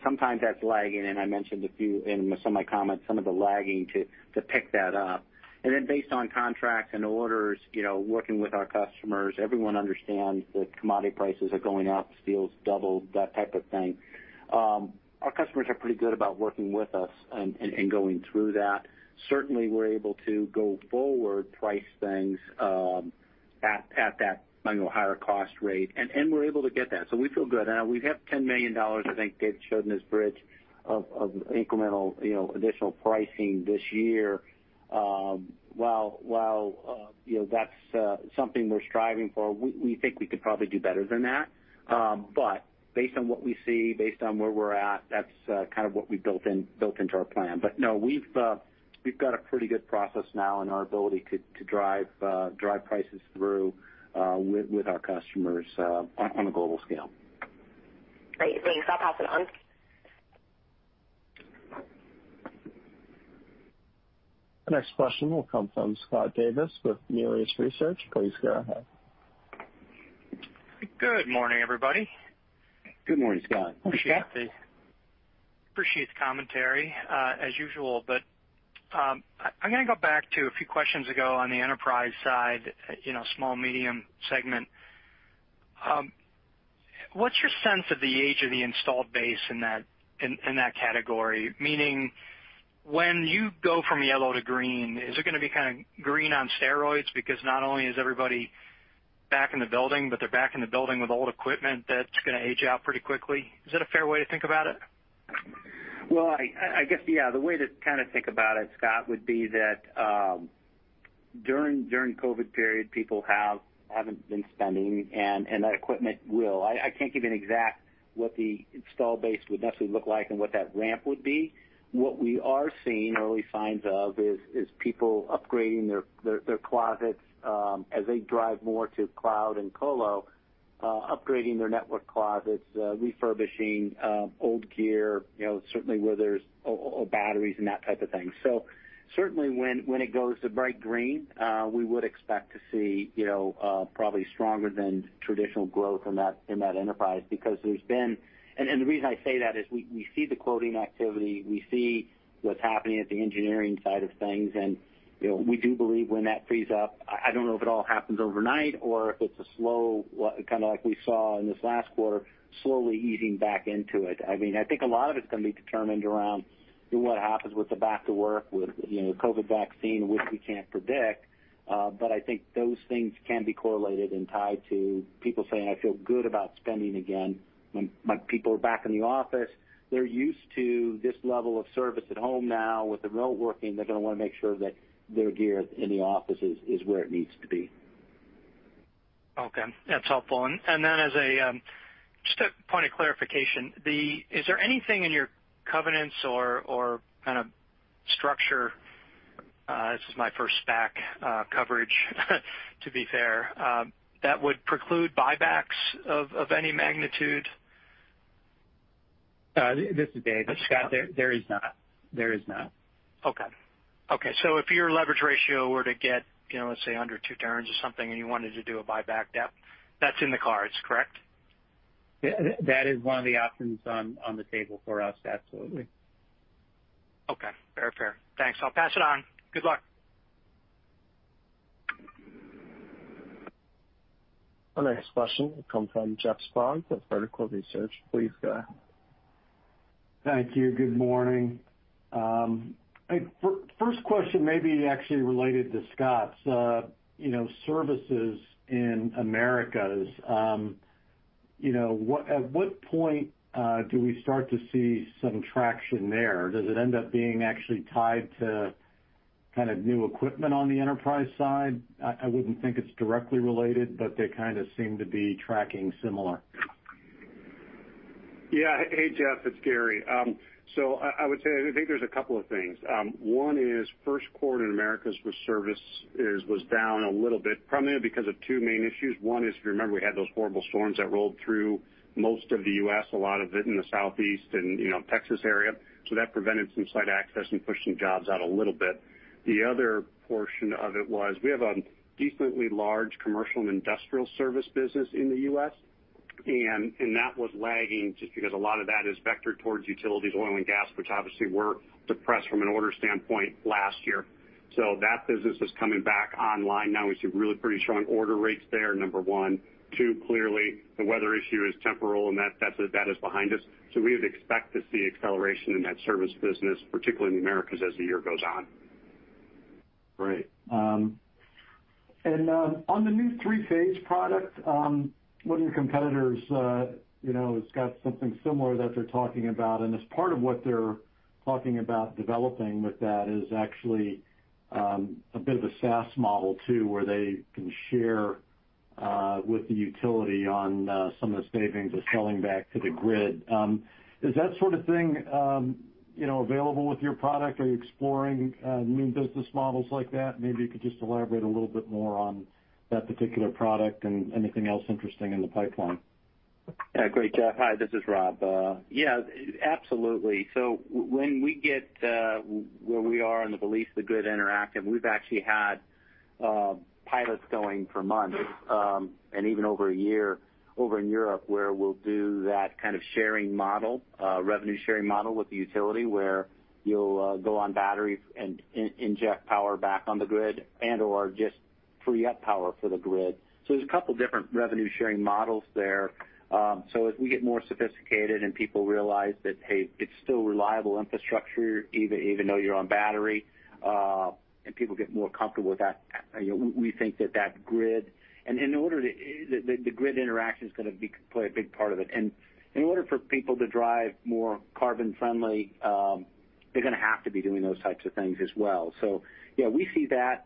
Sometimes that's lagging, and I mentioned a few in some of my comments, some of the lagging to pick that up. Based on contracts and orders, working with our customers, everyone understands that commodity prices are going up, steel's doubled, that type of thing. Our customers are pretty good about working with us and going through that. Certainly, we're able to go forward price things at that higher cost rate, and we're able to get that. We feel good. We have $10 million, I think David Fallon showed in his bridge, of incremental additional pricing this year. While that's something we're striving for, we think we could probably do better than that. Based on what we see, based on where we're at, that's kind of what we built into our plan. No, we've got a pretty good process now in our ability to drive prices through with our customers on a global scale. Great. Thanks. I'll pass it on. The next question will come from Scott Davis with Melius Research. Please go ahead. Good morning, everybody. Good morning, Scott. Scott. Appreciate the commentary, as usual. I'm going to go back to a few questions ago on the enterprise side, small, medium segment. What's your sense of the age of the installed base in that category? Meaning, when you go from yellow to green, is it going to be kind of green on steroids because not only is everybody back in the building, but they're back in the building with old equipment that's going to age out pretty quickly? Is that a fair way to think about it? I guess, the way to kind of think about it, Scott, would be that during COVID period, people haven't been spending, and that equipment will. I can't give you an exact what the install base would necessarily look like and what that ramp would be. What we are seeing early signs of is people upgrading their closets as they drive more to cloud and colo, upgrading their network closets, refurbishing old gear, certainly or batteries and that type of thing. Certainly when it goes to bright green, we would expect to see probably stronger than traditional growth in that enterprise because the reason I say that is we see the quoting activity. We see what's happening at the engineering side of things. We do believe when that frees up, I don't know if it all happens overnight or if it's a slow, kind of like we saw in this last quarter, slowly easing back into it. I think a lot of it's going to be determined around what happens with the back to work, with COVID vaccine, which we can't predict. I think those things can be correlated and tied to people saying, "I feel good about spending again." When people are back in the office, they're used to this level of service at home now. With the remote working, they're going to want to make sure that their gear in the office is where it needs to be. Okay. That's helpful. Just a point of clarification, is there anything in your covenants or kind of structure, this is my first SPAC coverage to be fair, that would preclude buybacks of any magnitude? This is David Cote. Scott Davis, there is not. Okay. If your leverage ratio were to get, let's say, under two turns or something, and you wanted to do a buyback, that's in the cards, correct? That is one of the options on the table for us, absolutely. Okay. Fair. Thanks. I'll pass it on. Good luck. Our next question will come from Jeff Sprague with Vertical Research. Please go ahead. Thank you. Good morning. First question may be actually related to Scott's. Services in Americas. At what point do we start to see some traction there? Does it end up being actually tied to kind of new equipment on the enterprise side? I wouldn't think it's directly related. They kind of seem to be tracking similar. Yeah. Hey, Jeff, it's Gary. I would say, I think there's a couple of things. One is first quarter in Americas with service was down a little bit, primarily because of two main issues. One is, if you remember, we had those horrible storms that rolled through most of the U.S., a lot of it in the Southeast and Texas area. That prevented some site access and pushed some jobs out a little bit. The other portion of it was we have a decently large commercial and industrial service business in the U.S., and that was lagging just because a lot of that is vectored towards utilities, oil and gas, which obviously were depressed from an order standpoint last year. That business is coming back online now. We see really pretty strong order rates there, number one. Two, clearly, the weather issue is temporal, and that is behind us. We would expect to see acceleration in that service business, particularly in the Americas as the year goes on. Great. On the new three-phase product, one of your competitors has got something similar that they're talking about, as part of what they're talking about developing with that is actually a bit of a SaaS model too, where they can share With the utility on some of the savings of selling back to the grid. Is that sort of thing available with your product? Are you exploring new business models like that? Maybe you could just elaborate a little bit more on that particular product and anything else interesting in the pipeline. Yeah. Great, Jeff. Hi, this is Rob. Yeah, absolutely. When we get where we are on the belief, the grid-interactive, we've actually had pilots going for months, and even over a year over in Europe, where we'll do that kind of revenue-sharing model with the utility, where you'll go on battery and inject power back on the grid and/or just free up power for the grid. There's a couple different revenue-sharing models there. As we get more sophisticated and people realize that, hey, it's still reliable infrastructure even though you're on battery, and people get more comfortable with that, we think that the grid interaction is going to play a big part of it. In order for people to drive more carbon friendly, they're going to have to be doing those types of things as well. Yeah, we see that,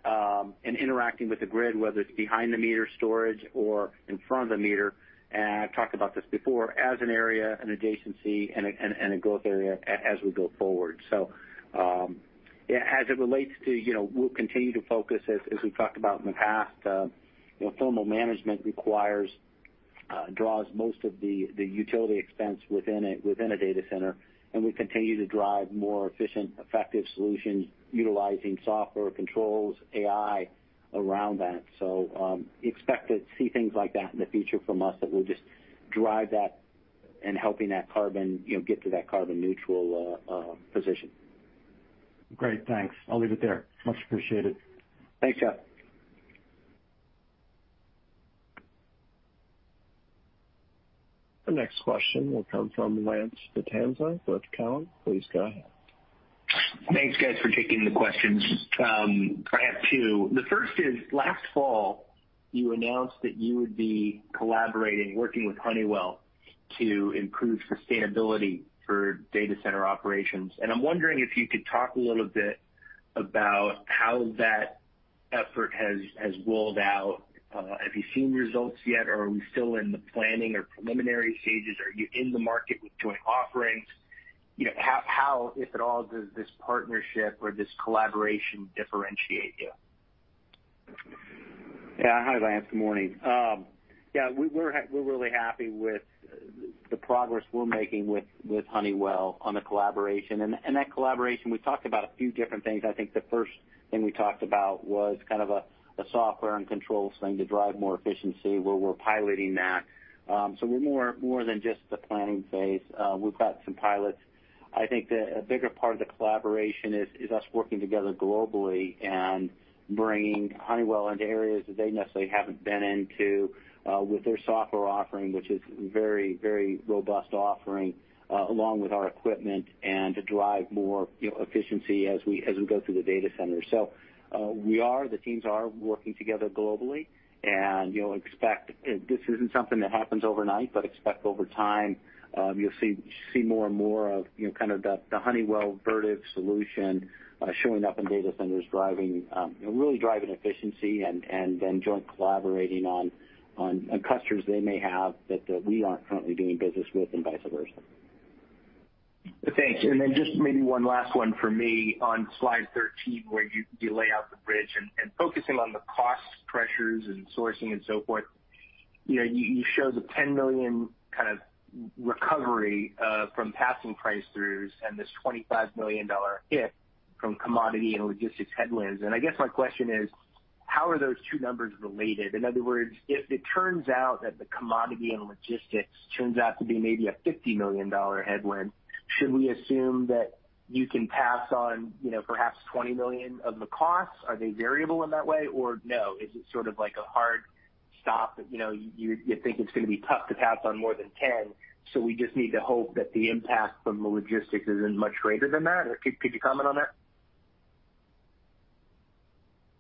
interacting with the grid, whether it's behind the meter storage or in front of the meter, I've talked about this before, as an area, an adjacency, and a growth area as we go forward. As it relates to we'll continue to focus as we've talked about in the past. Thermal management draws most of the utility expense within a data center, we continue to drive more efficient, effective solutions utilizing software controls, AI around that. Expect to see things like that in the future from us that will just drive that and helping get to that carbon neutral position. Great. Thanks. I'll leave it there. Much appreciated. Thanks, Jeff. The next question will come from Lance Vitanza, Deutsche Bank. Please go ahead. Thanks, guys, for taking the questions. I have two. The first is, last fall, you announced that you would be collaborating, working with Honeywell to improve sustainability for data center operations. I'm wondering if you could talk a little bit about how that effort has rolled out. Have you seen results yet, or are we still in the planning or preliminary stages? Are you in the market with joint offerings? How, if at all, does this partnership or this collaboration differentiate you? Hi, Lance. Good morning. We're really happy with the progress we're making with Honeywell on the collaboration. That collaboration, we talked about a few different things. I think the first thing we talked about was kind of a software and controls thing to drive more efficiency, where we're piloting that. We're more than just the planning phase. We've got some pilots. I think that a bigger part of the collaboration is us working together globally and bringing Honeywell into areas that they necessarily haven't been into, with their software offering, which is very robust offering, along with our equipment and to drive more efficiency as we go through the data center. The teams are working together globally and this isn't something that happens overnight, but expect over time, you'll see more and more of kind of the Honeywell Vertiv solution showing up in data centers, really driving efficiency and then joint collaborating on customers they may have that we aren't currently doing business with, and vice versa. Thanks. Then just maybe one last one from me on slide 13, where you lay out the bridge and focusing on the cost pressures in sourcing and so forth. You show the $10 million kind of recovery from passing price throughs and this $25 million hit from commodity and logistics headwinds. I guess my question is, how are those two numbers related? In other words, if it turns out that the commodity and logistics turns out to be maybe a $50 million headwind, should we assume that you can pass on perhaps $20 million of the costs? Are they variable in that way? No, is it sort of like a hard stop, you think it's going to be tough to pass on more than 10, we just need to hope that the impact from the logistics isn't much greater than that? Could you comment on that?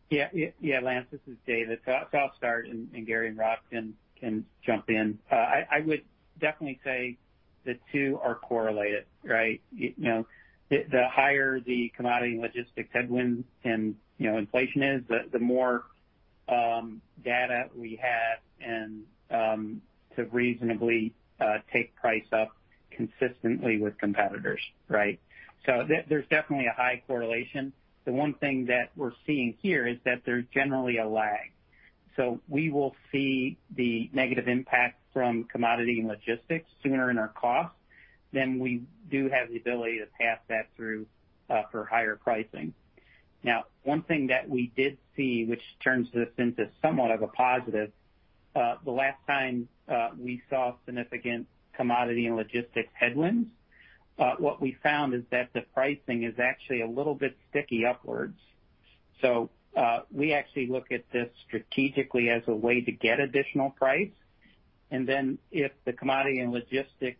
Yeah. Lance, this is David. I'll start, and Gary and Rob can jump in. I would definitely say the two are correlated, right? The higher the commodity and logistics headwinds and inflation is, the more data we have, and to reasonably take price up consistently with competitors, right? There's definitely a high correlation. The one thing that we're seeing here is that there's generally a lag. We will see the negative impact from commodity and logistics sooner in our cost than we do have the ability to pass that through for higher pricing. Now, one thing that we did see, which turns this into somewhat of a positive, the last time we saw significant commodity and logistics headwinds, what we found is that the pricing is actually a little bit sticky upwards. We actually look at this strategically as a way to get additional price, and then if the commodity and logistics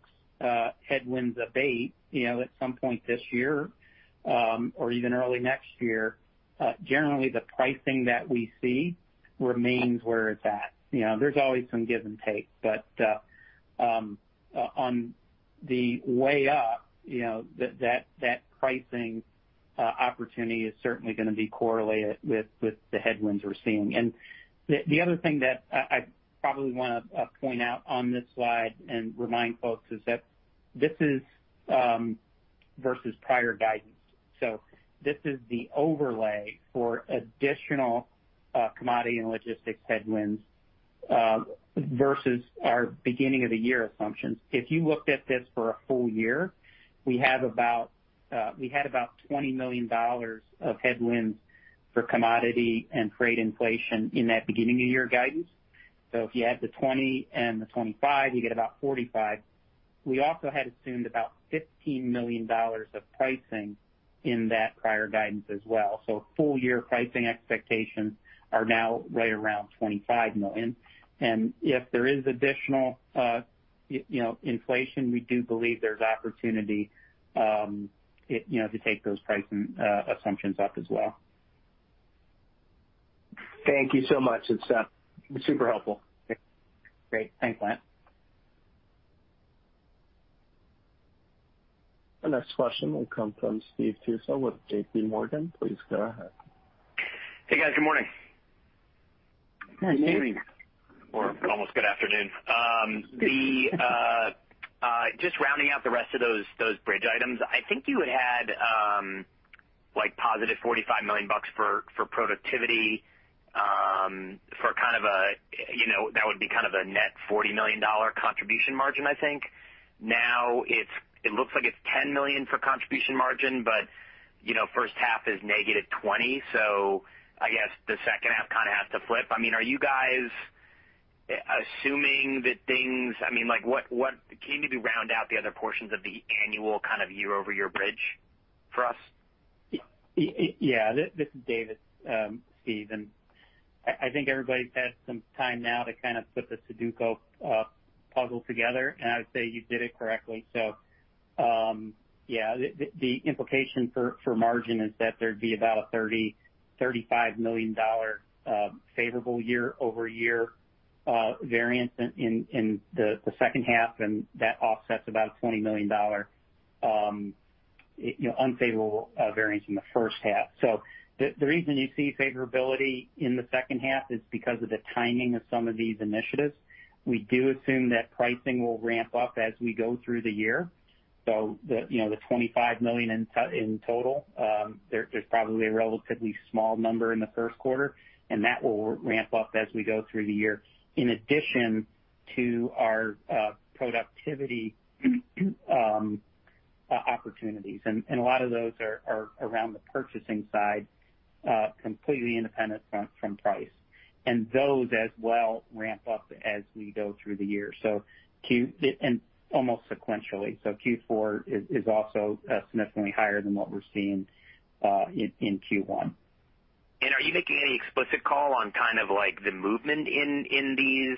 headwinds abate at some point this year, or even early next year, generally the pricing that we see remains where it's at. There's always some give and take, on the way up, that pricing opportunity is certainly going to be correlated with the headwinds we're seeing. The other thing that I probably want to point out on this slide and remind folks is that this is versus prior guidance. This is the overlay for additional commodity and logistics headwinds versus our beginning of the year assumptions. If you looked at this for a full year, we had about $20 million of headwinds for commodity and trade inflation in that beginning of year guidance. If you add the $20 and the $25, you get about $45. We also had assumed about $15 million of pricing in that prior guidance as well. Full-year pricing expectations are now right around $25 million. If there is additional inflation, we do believe there's opportunity to take those pricing assumptions up as well. Thank you so much. It's super helpful. Great. Thanks, Lance. The next question will come from Steve Tusa with JPMorgan. Please go ahead. Hey, guys. Good morning. Good morning. Almost good afternoon. Just rounding out the rest of those bridge items. I think you had had $45 million for productivity. That would be kind of a net $40 million contribution margin, I think. Now it looks like it's $10 million for contribution margin, but first half is -$20 million, so I guess the second half kind of has to flip. Can you maybe round out the other portions of the annual kind of year-over-year bridge for us? Yeah. This is David Fallon, Steve Tusa, I think everybody's had some time now to kind of put the sudoku puzzle together, and I would say you did it correctly. Yeah, the implication for margin is that there'd be about a $30 million-$35 million favorable year-over-year variance in the second half, and that offsets about a $20 million unfavorable variance in the first half. The reason you see favorability in the second half is because of the timing of some of these initiatives. We do assume that pricing will ramp up as we go through the year. The $25 million in total, there's probably a relatively small number in the first quarter, and that will ramp up as we go through the year, in addition to our productivity opportunities. A lot of those are around the purchasing side, completely independent from price. Those as well ramp up as we go through the year, and almost sequentially. Q4 is also significantly higher than what we're seeing in Q1. Are you making any explicit call on kind of the movement in these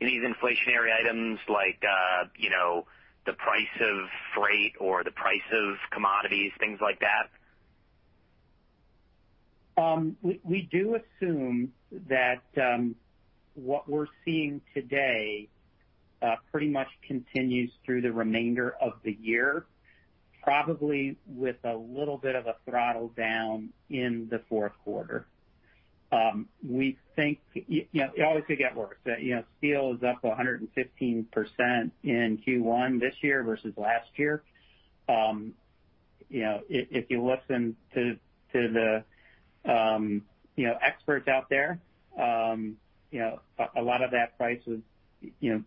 inflationary items like the price of freight or the price of commodities, things like that? We do assume that what we're seeing today pretty much continues through the remainder of the year, probably with a little bit of a throttle down in the fourth quarter. It always could get worse. Steel is up 115% in Q1 this year versus last year. If you listen to the experts out there, a lot of that price was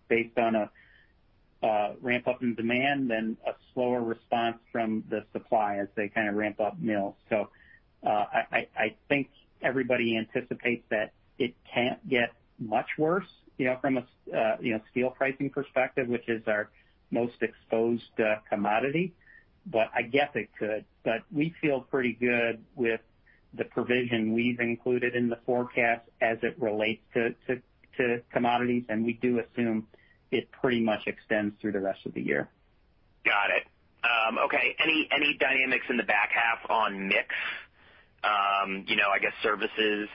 based on a ramp-up in demand, then a slower response from the supply as they kind of ramp up mills. I think everybody anticipates that it can't get much worse from a steel pricing perspective, which is our most exposed commodity, but I guess it could. We feel pretty good with the provision we've included in the forecast as it relates to commodities, and we do assume it pretty much extends through the rest of the year. Got it. Okay. Any dynamics in the back half on mix? I guess services,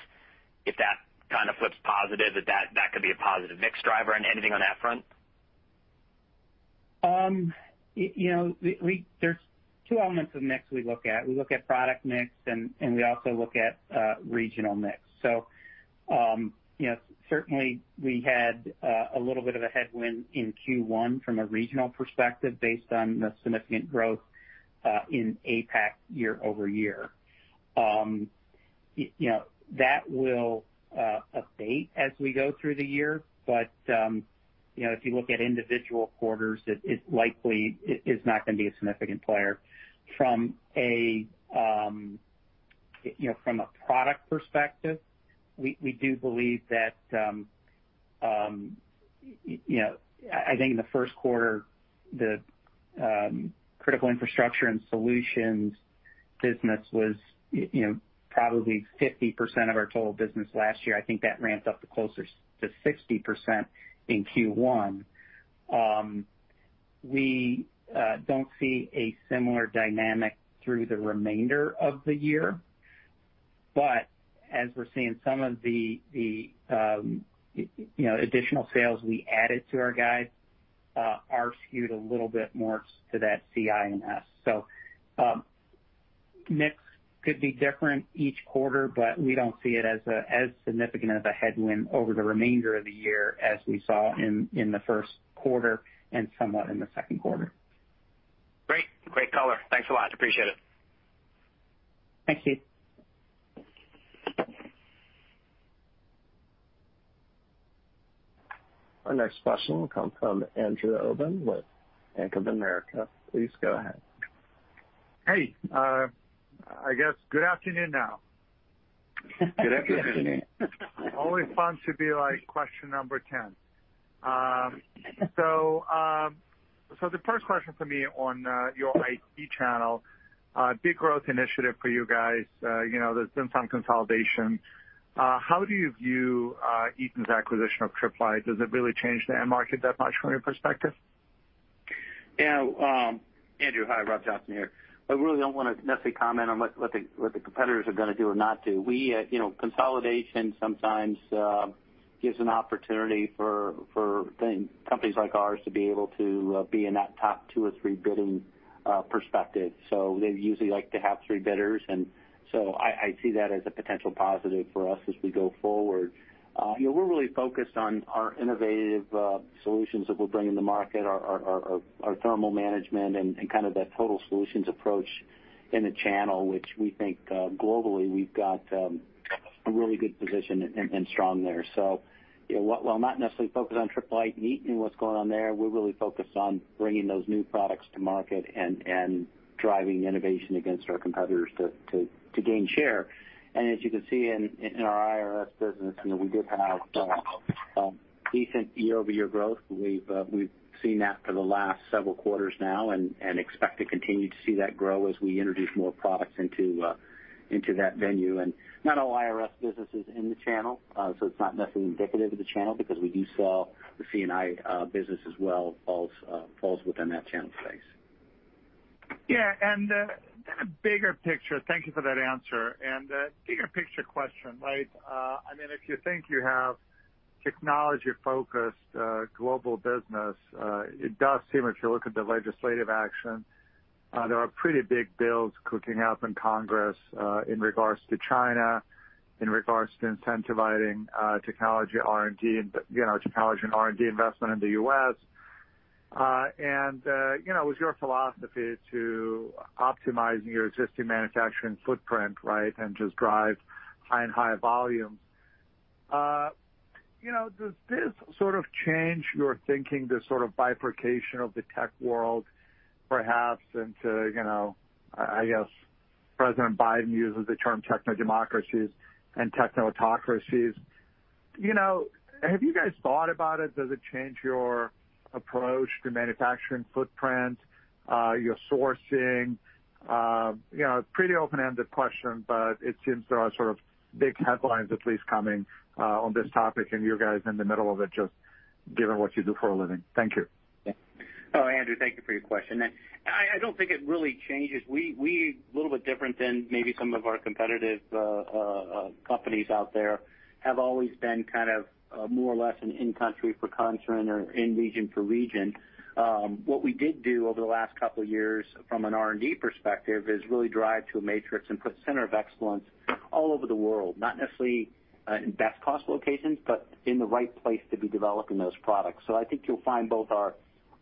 if that kind of flips positive, that could be a positive mix driver. Anything on that front? There's two elements of mix we look at. We look at product mix, and we also look at regional mix. Certainly we had a little bit of a headwind in Q1 from a regional perspective based on the significant growth in APAC year-over-year. That will abate as we go through the year. If you look at individual quarters, it likely is not going to be a significant player. From a product perspective, I think in the first quarter, the critical infrastructure and solutions business was probably 50% of our total business last year. I think that ramped up to closer to 60% in Q1. We don't see a similar dynamic through the remainder of the year. As we're seeing some of the additional sales we added to our guide are skewed a little bit more to that CI&S. Mix could be different each quarter, but we don't see it as significant of a headwind over the remainder of the year as we saw in the first quarter and somewhat in the second quarter. Great. Great color. Thanks a lot. Appreciate it. Thanks, Keith. Our next question will come from Andrew Obin with Bank of America. Please go ahead. Hey. I guess good afternoon now. Good afternoon. Always fun to be question number 10. The first question for me on your IT channel. Big growth initiative for you guys. There's been some consolidation. How do you view Eaton's acquisition of Tripp Lite? Does it really change the end market that much from your perspective? Yeah. Andrew, hi, Rob Johnson here. I really don't want to necessarily comment on what the competitors are going to do or not do. Consolidation sometimes gives an opportunity for companies like ours to be able to be in that top two or three bidding perspective. They usually like to have three bidders. I see that as a potential positive for us as we go forward. We're really focused on our innovative solutions that we're bringing to market, our thermal management and kind of that total solutions approach in the channel, which we think globally we've got a really good position and strong there. While not necessarily focused on Tripp Lite and Eaton and what's going on there, we're really focused on bringing those new products to market and driving innovation against our competitors to gain share. As you can see in our CI&S business, we did have decent year-over-year growth. We've seen that for the last several quarters now and expect to continue to see that grow as we introduce more products into that venue. Not all CI&S business is in the channel, so it's not necessarily indicative of the channel because we do sell the C&I business as well, falls within that channel space. Yeah. Thank you for that answer and bigger picture question. If you think you have technology-focused global business, it does seem, if you look at the legislative action, there are pretty big bills cooking up in Congress in regards to China, in regards to incentivizing technology R&D investment in the U.S. With your philosophy to optimizing your existing manufacturing footprint and just drive high and higher volumes, does this sort of change your thinking, this sort of bifurcation of the tech world, perhaps into, I guess President Biden uses the term techno-democracies and techno-autocracies. Have you guys thought about it? Does it change your approach to manufacturing footprint, your sourcing? Pretty open-ended question, but it seems there are sort of big headlines at least coming on this topic, and you guys are in the middle of it, just given what you do for a living. Thank you. Andrew, thank you for your question. I don't think it really changes. We, a little bit different than maybe some of our competitive companies out there, have always been kind of more or less an in-country for country or in region for region. What we did do over the last couple of years from an R&D perspective is really drive to a matrix and put center of excellence all over the world, not necessarily in best cost locations, but in the right place to be developing those products. I think you'll find both our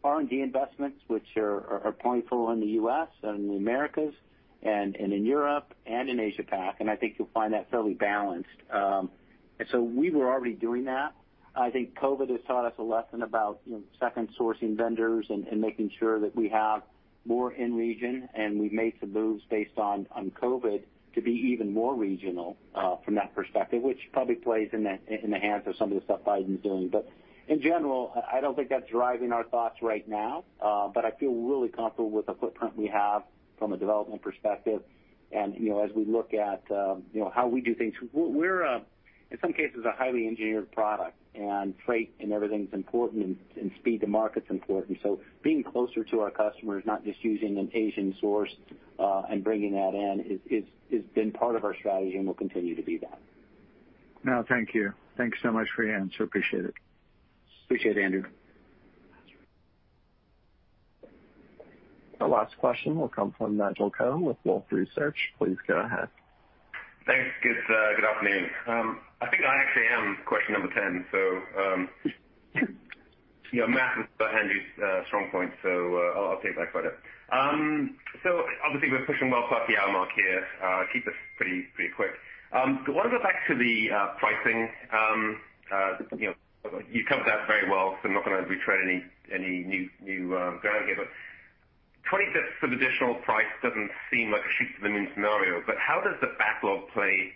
R&D investments, which are plentiful in the U.S. and the Americas and in Europe and in Asia Pac, and I think you'll find that fairly balanced. We were already doing that. I think COVID has taught us a lesson about second sourcing vendors and making sure that we have more in region, and we've made some moves based on COVID to be even more regional from that perspective, which probably plays in the hands of some of the stuff Biden's doing. In general, I don't think that's driving our thoughts right now. I feel really comfortable with the footprint we have from a development perspective. As we look at how we do things, we're in some cases a highly engineered product, and freight and everything's important, and speed to market's important. Being closer to our customers, not just using an Asian source and bringing that in, has been part of our strategy and will continue to be that. No, thank you. Thanks so much for your answer. Appreciate it. Appreciate it, Andrew. Our last question will come from Nigel Coe with Wolfe Research. Please go ahead. Thanks, guys. Good afternoon. I think I actually am question number 10, so yeah, math was not Andrew's strong point, so I'll take that credit. Obviously we're pushing well past the hour mark here. I'll keep this pretty quick. I want to go back to the pricing. You covered that very well, so I'm not going to retread any new ground here. 20 basis points of additional price doesn't seem like a shoot for the moon scenario. How does the backlog play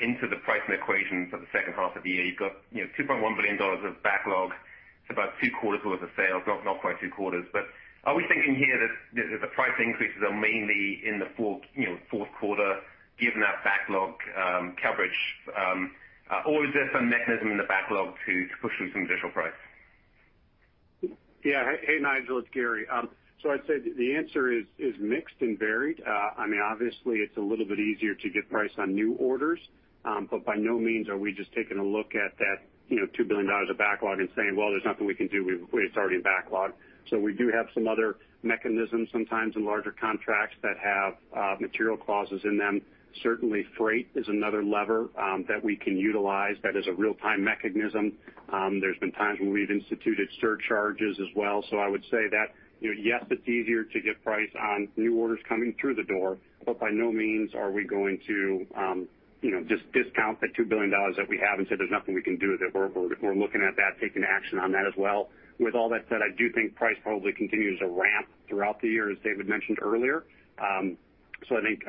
into the pricing equation for the second half of the year? You've got $2.1 billion of backlog. It's about two quarters worth of sales, not quite two quarters. Are we thinking here that the price increases are mainly in the fourth quarter given that backlog coverage? Is there some mechanism in the backlog to push through some additional price? Hey, Nigel, it's Gary. I'd say the answer is mixed and varied. Obviously, it's a little bit easier to get price on new orders. By no means are we just taking a look at that $2 billion of backlog and saying, "Well, there's nothing we can do. It's already in backlog." We do have some other mechanisms sometimes in larger contracts that have material clauses in them. Certainly, freight is another lever that we can utilize that is a real-time mechanism. There's been times when we've instituted surcharges as well. I would say that, yes, it's easier to get price on new orders coming through the door, but by no means are we going to just discount that $2 billion that we have and say there's nothing we can do with it. We're looking at that, taking action on that as well. With all that said, I do think price probably continues to ramp throughout the year, as David mentioned earlier. I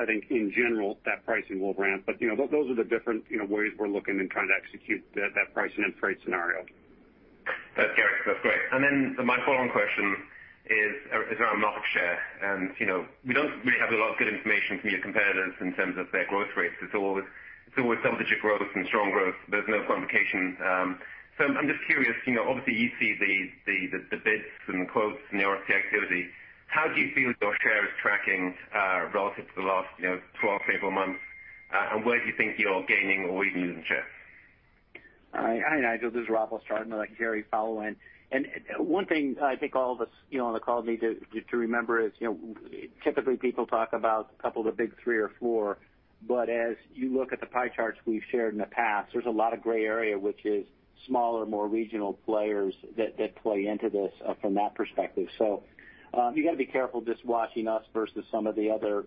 think, in general, that pricing will ramp. Those are the different ways we're looking and trying to execute that pricing and freight scenario. Thanks, Gary. That's great. My follow-on question is around market share. We don't really have a lot of good information from your competitors in terms of their growth rates. It's always double-digit growth and strong growth. There's no quantification. I'm just curious, obviously you see the bids and the quotes and the activity. How do you feel your share is tracking relative to the last 12, 18 months? Where do you think you're gaining or even losing share? All right. Hi, Nigel, this is Rob. I'll start and let Gary follow in. One thing I think all of us on the call need to remember is, typically people talk about a couple of the big three or four, but as you look at the pie charts we've shared in the past, there's a lot of gray area, which is smaller, more regional players that play into this from that perspective. You got to be careful just watching us versus some of the other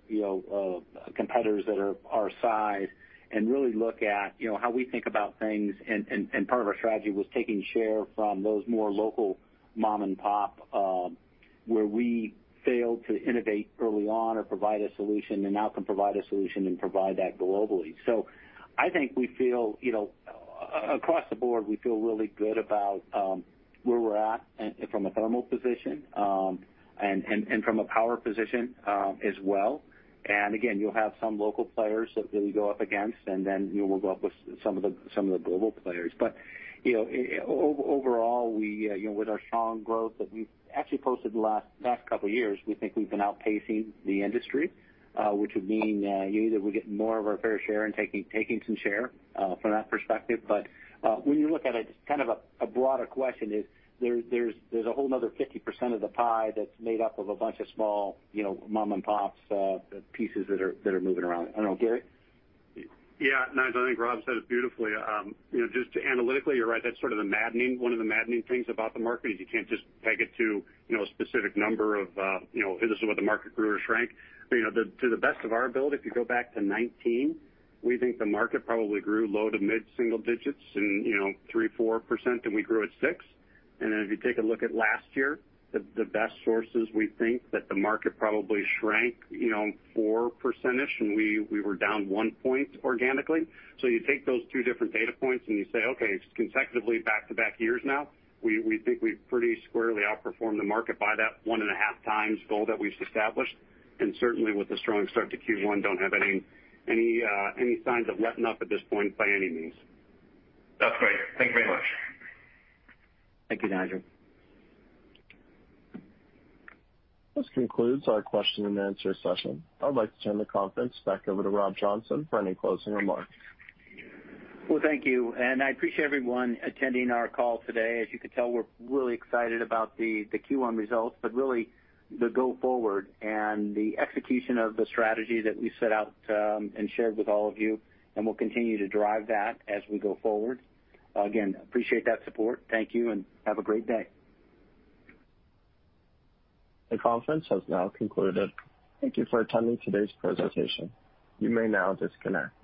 competitors that are our size and really look at how we think about things. Part of our strategy was taking share from those more local mom-and-pop, where we failed to innovate early on or provide a solution, and now can provide a solution and provide that globally. I think across the board, we feel really good about where we're at from a thermal position, and from a power position as well. Again, you'll have some local players that we go up against, and then we'll go up with some of the global players. Overall, with our strong growth that we've actually posted the last couple of years, we think we've been outpacing the industry, which would mean either we're getting more of our fair share and taking some share from that perspective. When you look at it, kind of a broader question is there's a whole another 50% of the pie that's made up of a bunch of small mom-and-pops pieces that are moving around. I don't know, Gary? Nigel, I think Rob Johnson said it beautifully. Analytically, you're right, that's one of the maddening things about the market, is you can't just peg it to a specific number of, this is what the market grew or shrank. To the best of our ability, if you go back to 2019, we think the market probably grew low to mid-single digits in 3%, 4%. We grew at 6%. If you take a look at last year, the best sources, we think that the market probably shrank 4%-ish. We were down 1 point organically. You take those two different data points and you say, okay, it's consecutively back-to-back years now. We think we've pretty squarely outperformed the market by that 1.5x goal that we've established. Certainly with a strong start to Q1, don't have any signs of letting up at this point by any means. That's great. Thank you very much. Thank you, Nigel. This concludes our question and answer session. I would like to turn the conference back over to Rob Johnson for any closing remarks. Well, thank you, and I appreciate everyone attending our call today. As you can tell, we're really excited about the Q1 results, but really the go forward and the execution of the strategy that we set out to and shared with all of you, and we'll continue to drive that as we go forward. Again, appreciate that support. Thank you and have a great day. The conference has now concluded. Thank you for attending today's presentation. You may now disconnect.